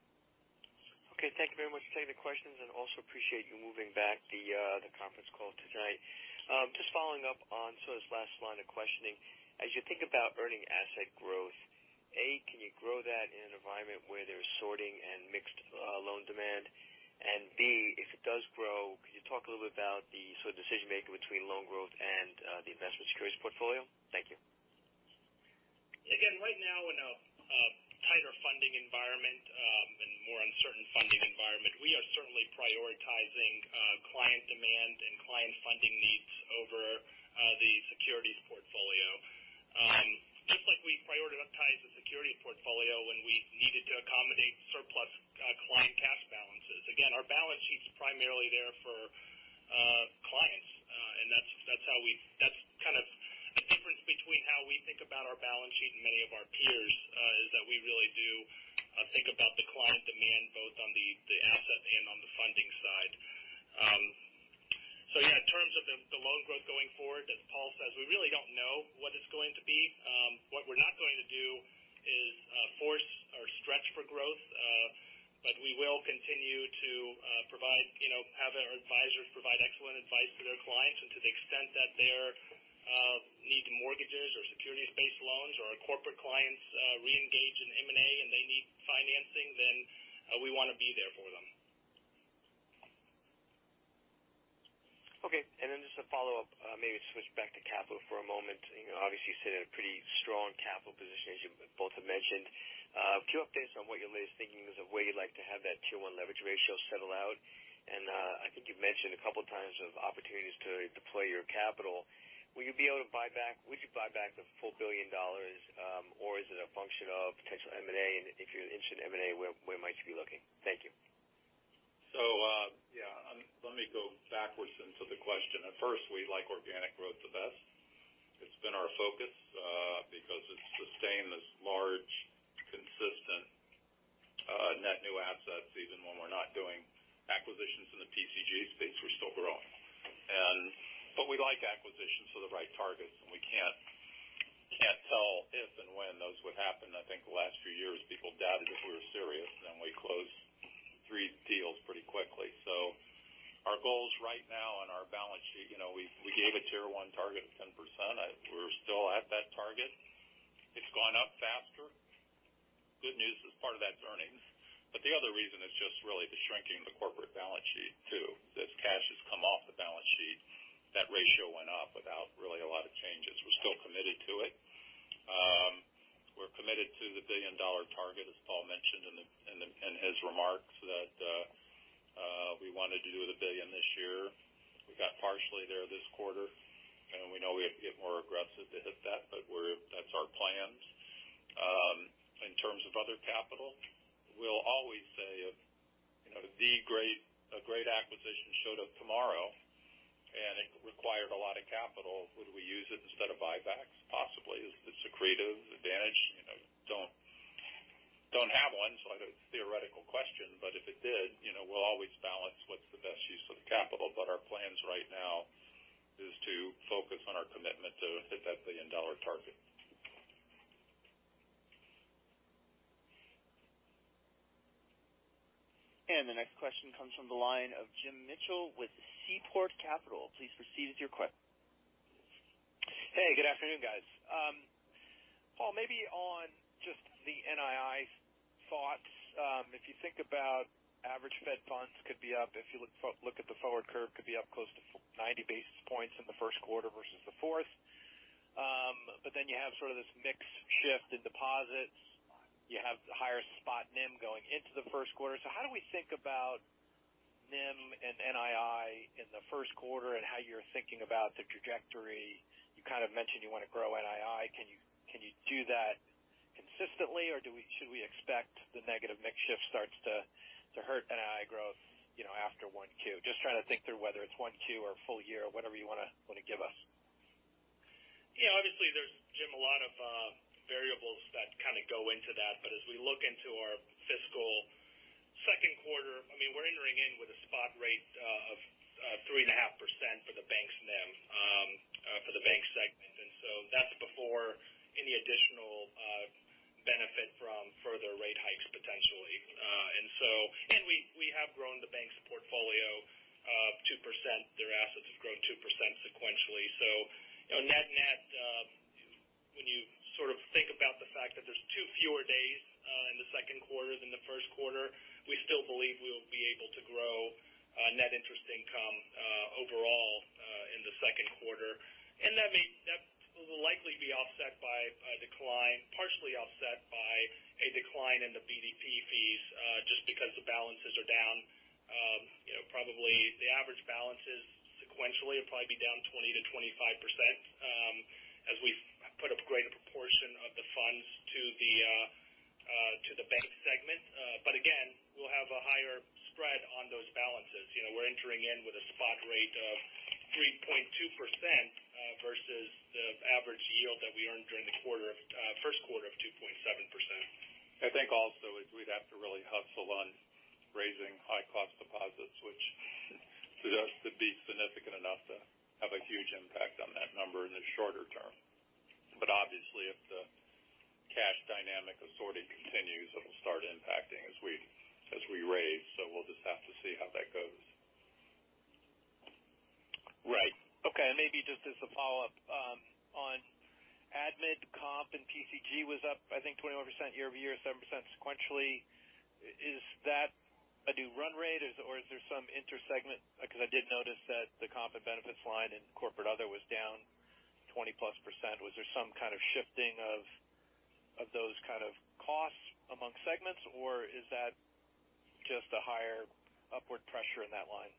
Okay. Thank you very much for taking the questions, and also appreciate you moving back the conference call tonight. Just following up on sort of this last line of questioning. As you think about earning asset growth, A, can you grow that in an environment where there's sorting and mixed loan demand? B, if it does grow, could you talk a little bit about the sort of decision-making between loan growth and the investment securities portfolio? Thank you.
Again, right now in a tighter funding environment, and more uncertain funding environment, we are certainly prioritizing client demand and client funding needs over the securities portfolio. Just like we prioritized the security portfolio when we needed to accommodate surplus client cash balances. Again, our balance sheet's primarily there for clients. That's kind of the difference between how we think about our balance sheet and many of our peers, is that we really do think about the client demand both on the asset and on the funding side. Yeah, in terms of the loan growth going forward, as Paul says, we really don't know what it's going to be. What we're not going to do is force or stretch for growth. We will continue to provide, you know, have our advisors provide excellent advice to their clients. To the extent that they're need mortgages or securities-based loans or our corporate clients reengage in M&A and they need financing, then we wanna be there for them.
Okay. Just a follow-up. maybe switch back to capital for a moment. You know, obviously you sit in a pretty strong capital position, as you both have mentioned. A few updates on what your latest thinking is of where you'd like to have that Tier 1 leverage ratio settle out. I think you've mentioned a couple times of opportunities to deploy your capital. Would you buy back the full $1 billion? Or is it a function of potential M&A? If you're interested in M&A, where might you be looking? Thank you.
Yeah. Let me go backwards into the question. At first, we like organic growth the best. It's been our focus, because it's sustained this large, consistent, net new assets. Even when we're not doing acquisitions in the PCG space, we're still growing. We like acquisitions for the right targets, and we can't tell if and when those would happen. I think the last few years people doubted if we were serious, then we closed three deals pretty quickly. Our goals right now on our balance sheet, you know, we gave a Tier 1 target of 10%. We're still at that target. Good news is part of that's earnings. The other reason is just really the shrinking of the corporate balance sheet too. As cash has come off the balance sheet, that ratio went up without really a lot of changes. We're still committed to it. We're committed to the billion-dollar target, as Paul mentioned in his remarks that we wanted to do $1 billion this year. We got partially there this quarter. We know we have to get more aggressive to hit that, but that's our plans. In terms of other capital, we'll always say if, you know, a great acquisition showed up tomorrow, and it required a lot of capital, would we use it instead of buybacks? Possibly. If it's accretive advantage, you know, don't have one, so it's a theoretical question. If it did, you know, we'll always balance what's the best use of the capital. Our plans right now is to focus on our commitment to hit that billion-dollar target.
The next question comes from the line of Jim Mitchell with Seaport Global Securities. Please proceed with your que-
Hey, good afternoon, guys. Paul, maybe on just the NII thoughts. If you think about average Fed funds could be up. If you look at the forward curve, could be up close to 90 basis points in the first quarter versus the fourth. You have sort of this mix shift in deposits. You have the higher spot NIM going into the first quarter. How do we think about NIM and NII in the first quarter, and how you're thinking about the trajectory? You kind of mentioned you want to grow NII. Can you do that consistently, or should we expect the negative mix shift starts to hurt NII growth, you know, after 1Q? Just trying to think through whether it's 1Q or full year or whatever you wanna give us.
Yeah, obviously there's, Jim, a lot of variables that kind of go into that. As we look into our fiscal second quarter, I mean, we're entering in with a spot rate of 3.5% for the bank's NIM for the bank segment. That's before any additional benefit from further rate hikes potentially. We have grown the bank's portfolio 2%. Their assets have grown 2% sequentially. You know, net-net, when you sort of think about the fact that there's two fewer days in the second quarter than the first quarter, we still believe we'll be able to grow net interest income overall in the second quarter. That will likely be partially offset by a decline in the BDP fees, just because the balances are down, you know, probably the average balances sequentially will probably be down 20%-25%, as we've put a greater proportion of the funds to the bank segment. Again, we'll have a higher spread on those balances. You know, we're entering in with a spot rate of 3.2%, versus the average yield that we earned during the quarter of first quarter of 2.7%.
I think also is we'd have to really hustle on raising high cost deposits, which for us to be significant enough to have a huge impact on that number in the shorter term. Obviously, if the cash dynamic of sorting continues, it'll start impacting as we raise. We'll just have to see how that goes.
Right. Okay. Maybe just as a follow-up, on admin comp and PCG was up, I think, 21% year-over-year, 7% sequentially. Is that a new run rate? Or is there some intersegment? Because I did notice that the comp and benefits line in corporate other was down 20%+. Was there some kind of shifting of those kind of costs among segments, or is that just a higher upward pressure in that line?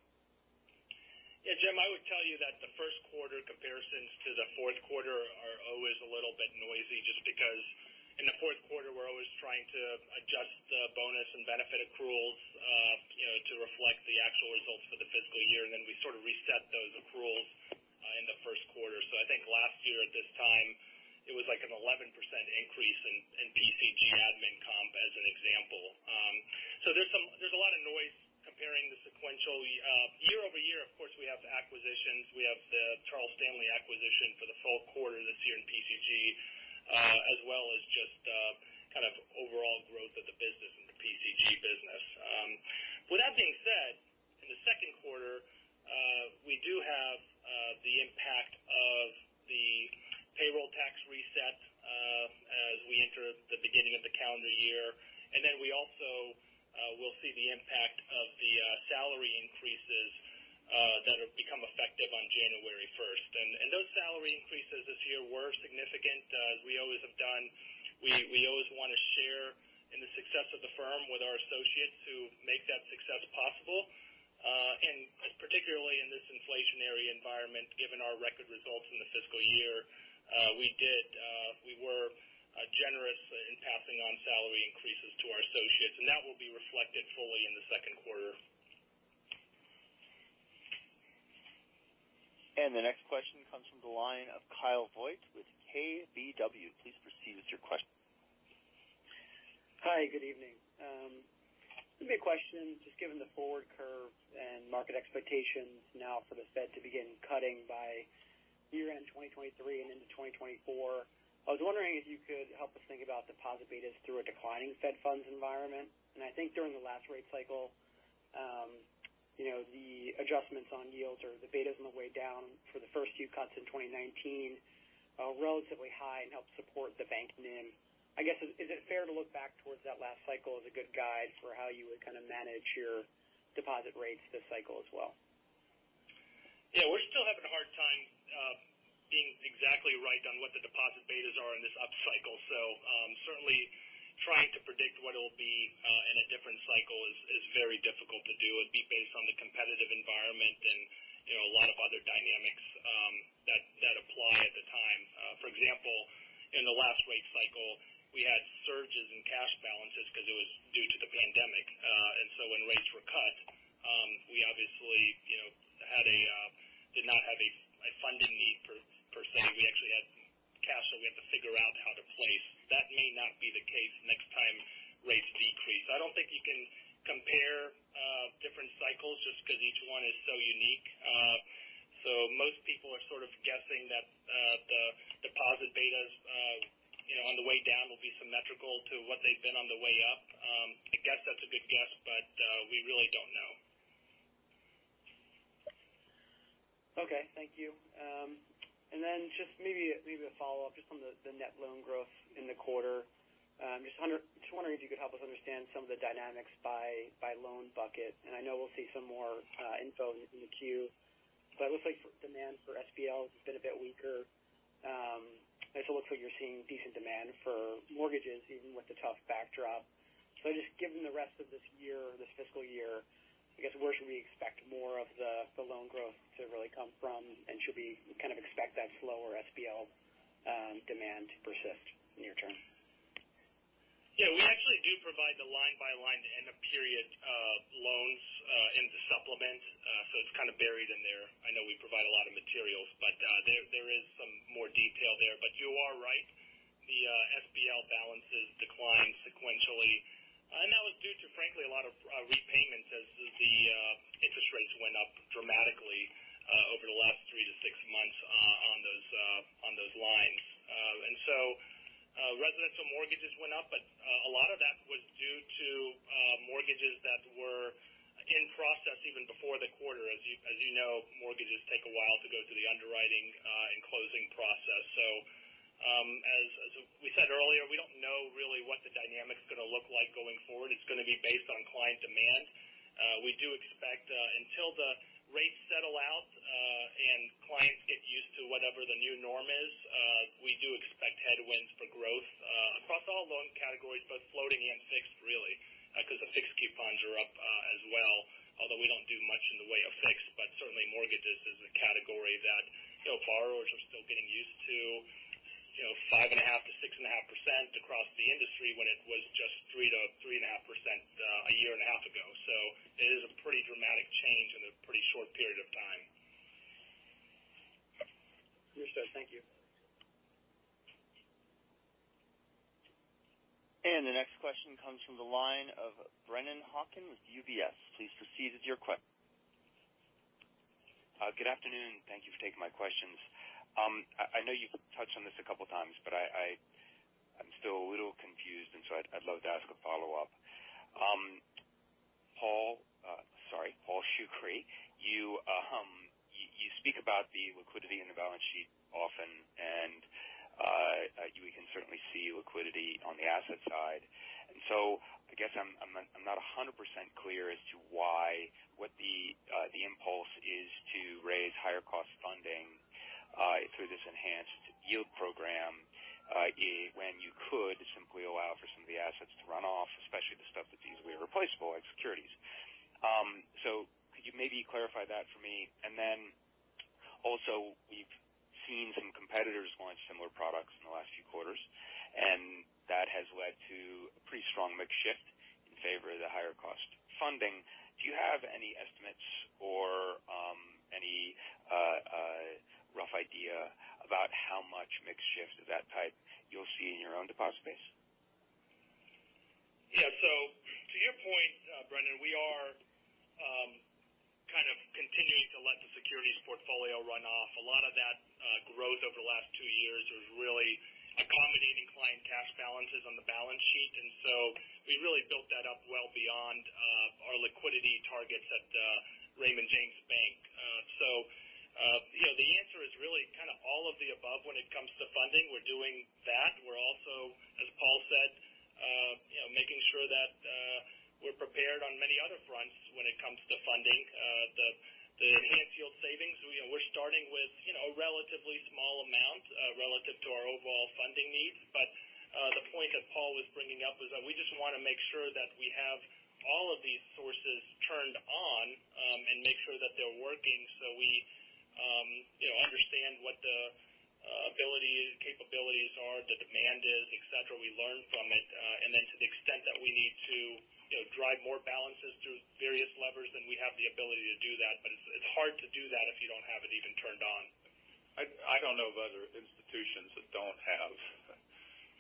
Yeah, Jim, I would tell you that the first quarter comparisons to the fourth quarter are always a little bit noisy just because in the fourth quarter we're always trying to adjust the bonus and benefit accruals, you know, to reflect the actual results for the fiscal year. Then we sort of reset those accruals in the first quarter. I think last year at this time it was like an 11% increase in PCG admin comp, as an example. There's a lot of noise comparing the sequential. Year-over-year, of course, we have the acquisitions. We have the Charles Stanley acquisition for the full quarter this year in PCG, as well as just kind of overall growth of the business in the PCG business. With that being said, in the second quarter, we do have the impact of the payroll tax reset as we enter the beginning of the calendar year. We also will see the impact of the salary increases that have become effective on January 1st. Those salary increases this year were significant. As we always have done, we always want to share in the success of the firm with our associates who make that success possible. Particularly in this inflationary environment, given our record results in the fiscal year, we did, we were generous in passing on salary increases to our associates, and that will be reflected fully in the second quarter.
The next question comes from the line of Kyle Voigt with KBW. Please proceed with your question.
Hi, good evening. Let me question just given the forward curve and market expectations now for the Fed to begin cutting by year-end 2023 and into 2024. I was wondering if you could help us think about deposit betas through a declining Fed funds environment. I think during the last rate cycle, you know, the adjustments on yields or the betas on the way down for the first few cuts in 2019 are relatively high and help support the banking. I guess, is it fair to look back towards that last cycle as a good guide for how you would kind of manage your deposit rates this cycle as well?
Yeah, we're still having a hard time being exactly right on what the deposit betas are in this upcycle. Certainly trying to predict what it'll be in a different cycle is very difficult to do. It'd be based on the competitive environment and, you know, a lot of other dynamics that apply at the time. For example, in the last rate cycle, we had surges in cash balances because it was due to the pandemic. When rates were cut, we obviously, you know, had a did not have a funding need per se. We actually had cash that we have to figure out how to place. That may not be the case next time rates decrease. I don't think you can compare different cycles just because each one is so unique. Most people are sort of guessing that, the deposit betas, you know, on the way down will be symmetrical to what they've been on the way up. I guess that's a good guess, but, we really don't know.
Okay. Thank you. Just maybe a follow-up just on the net loan growth in the quarter. Just wondering if you could help us understand some of the dynamics by loan bucket. I know we'll see some more info in the Q. It looks like for demand for SBL has been a bit weaker. It also looks like you're seeing decent demand for mortgages, even with the tough backdrop. Just given the rest of this year, this fiscal year, I guess where should we expect more of the loan growth to really come from, and should we kind of expect that slower SBL demand to persist near term?
We actually do provide the line by line end of period loans in the supplement. It's kind of buried in there. I know we provide a lot of materials. There is some more detail there. You are right. The SBL balances declined sequentially. That was due to, frankly, a lot of repayments as the interest rates went up dramatically over the last three to six months on those lines. Residential mortgages went up, but a lot of that was due to mortgages that were, again, processed even before the quarter. As you know, mortgages take a while to go through the underwriting and closing process. As we said earlier, we don't know really what the dynamic's gonna look like going forward. It's gonna be based on client demand. We do expect until the rates settle out and clients get used to whatever the new norm is, we do expect headwinds for growth across all loan categories, both floating and fixed really, because the fixed coupons are up as well. Although we don't do much in the way of fixed. Certainly mortgages is a category that, you know, borrowers are still getting used to, you know, 5.5%-6.5% across the industry when it was just 3%-3.5% a year and a half ago. It is a pretty dramatic change in a pretty short period of time.
Understood. Thank you.
The next question comes from the line of Brennan Hawken with UBS. Please proceed with your.
Good afternoon. Thank you for taking my questions. I know you've touched on this a couple times, but I'm still a little confused. I'd love to ask a follow-up. Paul, sorry, Paul Shoukry, you speak about the liquidity in the balance sheet often and, you know, we can certainly see liquidity on the asset side. I guess I'm not 100% clear as to what the impulse is to raise higher cost funding, through this enhanced yield program, when you could simply allow for some of the assets to run off, especially the stuff that's easily replaceable, like securities. Could you maybe clarify that for me? Also, we've seen some competitors launch similar products in the last few quarters, and that has led to a pretty strong mix shift in favor of the higher cost funding. Do you have any estimates or any rough idea about how much mix shift of that type you'll see in your own deposit base?
Yeah. To your point, Brennan, we are kind of continuing to let the securities portfolio run off. A lot of that growth over the last two years was really accommodating client cash balances on the balance sheet. We really built that up well beyond our liquidity targets at Raymond James Bank. You know, the answer is really kind of all of the above when it comes to funding. We're doing that. We're also, as Paul said, you know, making sure that we're prepared on many other fronts when it comes to funding, the Enhanced Savings Program. You know, we're starting with, you know, a relatively small amount relative to our overall funding needs. The point that Paul was bringing up is that we just wanna make sure that we have all of these sources turned on, and make sure that they're working so we, you know, understand what the ability, capabilities are, the demand is, et cetera. We learn from it. Then to the extent that we need to, you know, drive more balances through various levers, then we have the ability to do that. It's, it's hard to do that if you don't have it even turned on.
I don't know of other institutions that don't have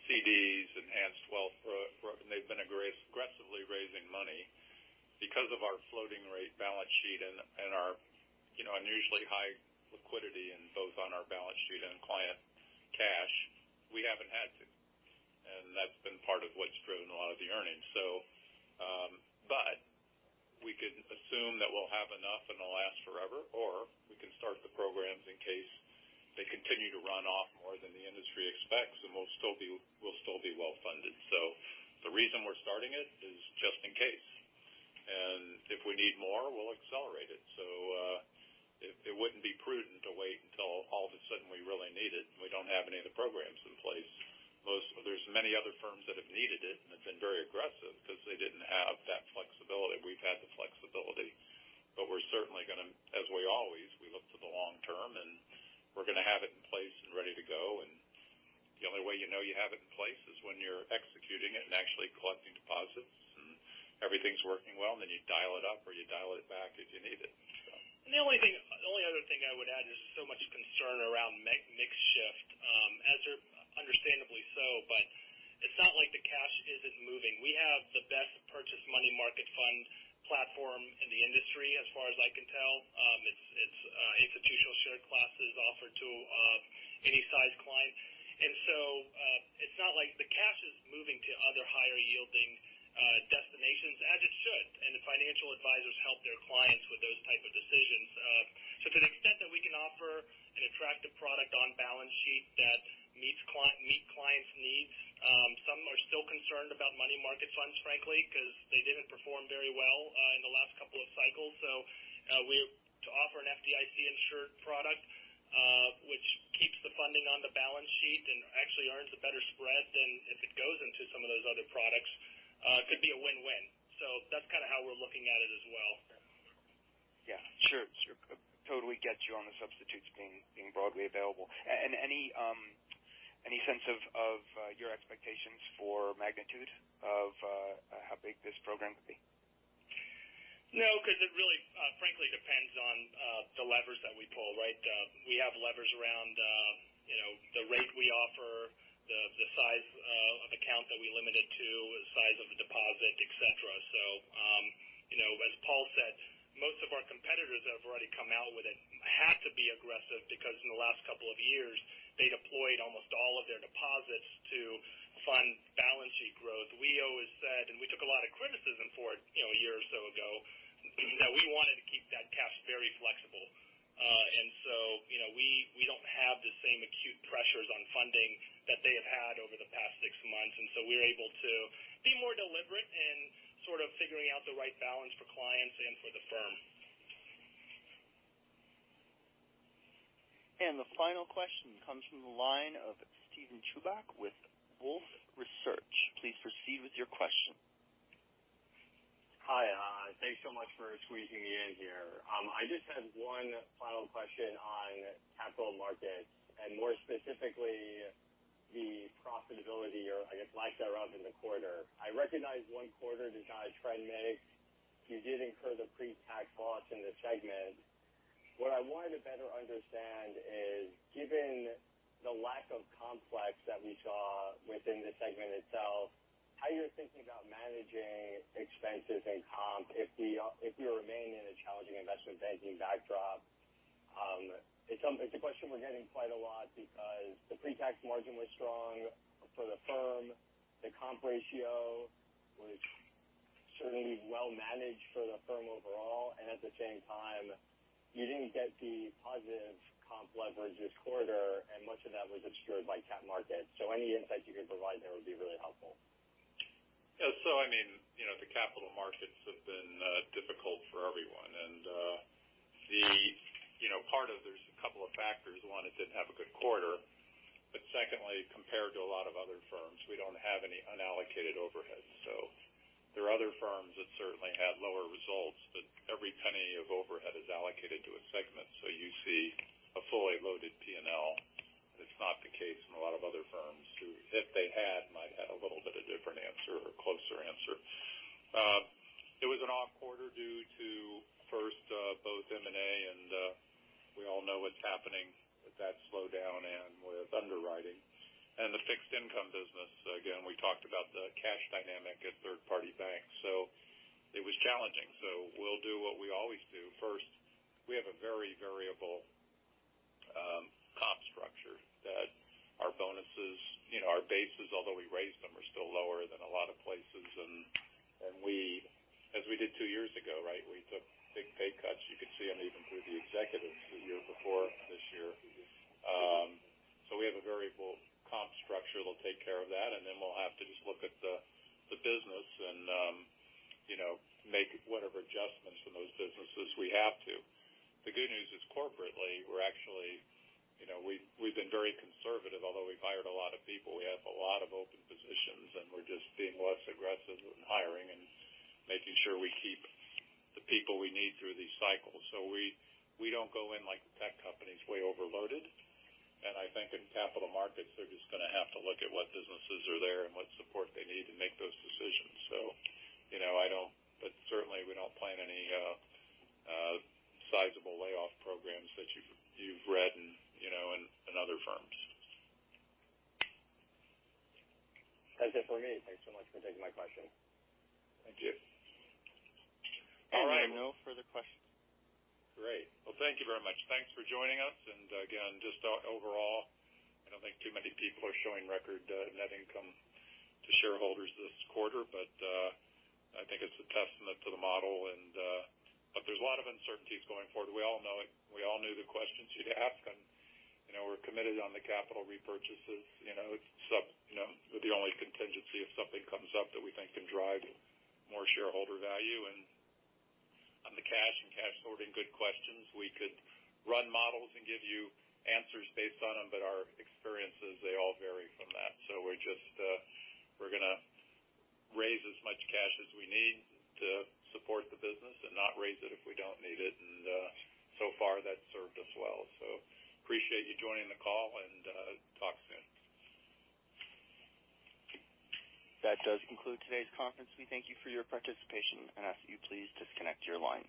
CDs, enhanced wealth and they've been aggressively raising money because of our floating rate balance sheet and our, you know, unusually high liquidity in both on our balance sheet and client cash. Been part of what's driven a lot of the earnings. We could assume that we'll have enough and it'll last forever, or we can start the programs in case they continue to run off more than the industry expects, and we'll still be well-funded. The reason we're starting it is just in case. If we need more, we'll accelerate it. It wouldn't be prudent to wait until all of a sudden we really need it and we don't have any of the programs in place. There's many other firms that have needed it and have been very aggressive because they didn't have that flexibility. We've had the flexibility. We're certainly gonna, as we always look to the long term, and we're gonna have it in place and ready to go. The only way you know you have it in place is when you're executing it and actually collecting deposits.
Mm-hmm.
Everything's working well, and then you dial it up or you dial it back as you need it.
The only other thing I would add, there's so much concern around mix shift, as there understandably so. It's not like the cash isn't moving. We have the best purchase money market fund platform in the industry as far as I can tell. It's, it's institutional shared classes offered to any size client. It's not like the cash is moving to other higher yielding destinations as it should, and the financial advisors help their clients with those type of decisions. To the extent that we can offer an attractive product on balance sheet that meets clients' needs, some are still concerned about money market funds, frankly, because they didn't perform very well in the last couple of cycles. We... To offer an FDIC insured product, which keeps the funding on the balance sheet and actually earns a better spread than if it goes into some of those other products, could be a win-win. That's kinda how we're looking at it as well.
Yeah. Sure. Sure. Totally get you on the substitutes being broadly available. Any sense of your expectations for magnitude of how big this program could be?
Because it really, frankly depends on the levers that we pull, right? We have levers around, you know, the rate we offer, the size of account that we limit it to, the size of the deposit, et cetera. You know, as Paul said, most of our competitors that have already come out with it have to be aggressive because in the last two years, they deployed almost all of their deposits to fund balance sheet growth. We always said, and we took a lot of criticism for it, you know, one year or so ago, that we wanted to keep that cash very flexible. You know, we don't have the same acute pressures on funding that they have had over the past six months. We're able to be more deliberate in sort of figuring out the right balance for clients and for the firm.
The final question comes from the line of Steven Chubak with Wolfe Research. Please proceed with your question.
Hi, thanks so much for squeezing me in here. I just have one final question on Capital Markets, and more specifically, the profitability or I guess lack thereof in the quarter. I recognize one quarter does not a trend make. You did incur the pre-tax loss in the segment. What I wanted to better understand is, given the lack of complex that we saw within the segment itself, how you're thinking about managing expenses and comp if we remain in a challenging investment banking backdrop. It's a question we're getting quite a lot because the pre-tax margin was strong for the firm. The comp ratio was certainly well managed for the firm overall, and at the same time, you didn't get the positive comp leverage this quarter, and much of that was obscured by Capital Markets. Any insight you could provide there would be really helpful.
I mean, you know, the Capital Markets have been difficult for everyone. You know, there's a couple of factors. One, it didn't have a good quarter. Secondly, compared to a lot of other firms, we don't have any unallocated overheads. There are other firms that certainly had lower results, but every penny of overhead is allocated to a segment. You see a fully loaded P&L. That's not the case in a lot of other firms who, if they had, might have a little bit of different answer or closer answer. It was an off quarter due to, first, both M&A and we all know what's happening with that slowdown and with underwriting. The fixed income business, again, we talked about the cash dynamic at third-party banks. It was challenging. We'll do what we always do. First, we have a very variable comp structure that our bonuses, you know, our bases, although we raised them, are still lower than a lot of places. We, as we did two years ago, right, we took big pay cuts. You could see them even through the executives the year before this year. We have a variable comp structure that'll take care of that, and then we'll have to just look at the business and, you know, make whatever adjustments in those businesses we have to. The good news is corporately, we're actually, you know, we've been very conservative. Although we've hired a lot of people, we have a lot of open positions, and we're just being less aggressive with hiring and making sure we keep the people we need through these cycles. We don't go in like the tech companies, way overloaded. I think in Capital Markets, they're just gonna have to look at what businesses are there and what support they need to make those decisions. You know, certainly we don't plan any sizable layoff programs that you've read in, you know, other firms.
That's it for me. Thanks so much for taking my question.
Thank you.
All right. No further questions.
Great. Well, thank you very much. Thanks for joining us. Again, just, overall, I don't think too many people are showing record net income to shareholders this quarter. I think it's a testament to the model and... There's a lot of uncertainties going forward. We all know it. We all knew the questions you'd ask, and, you know, we're committed on the capital repurchases. You know, it's, you know, with the only contingency if something comes up that we think can drive more shareholder value. On the cash and cash sorting, good questions. We could run models and give you answers based on them, but our experiences, they all vary from that. We're just, we're gonna raise as much cash as we need to support the business and not raise it if we don't need it. So far, that's served us well. Appreciate you joining the call and talk soon.
That does conclude today's conference. We thank you for your participation and ask you please disconnect your line.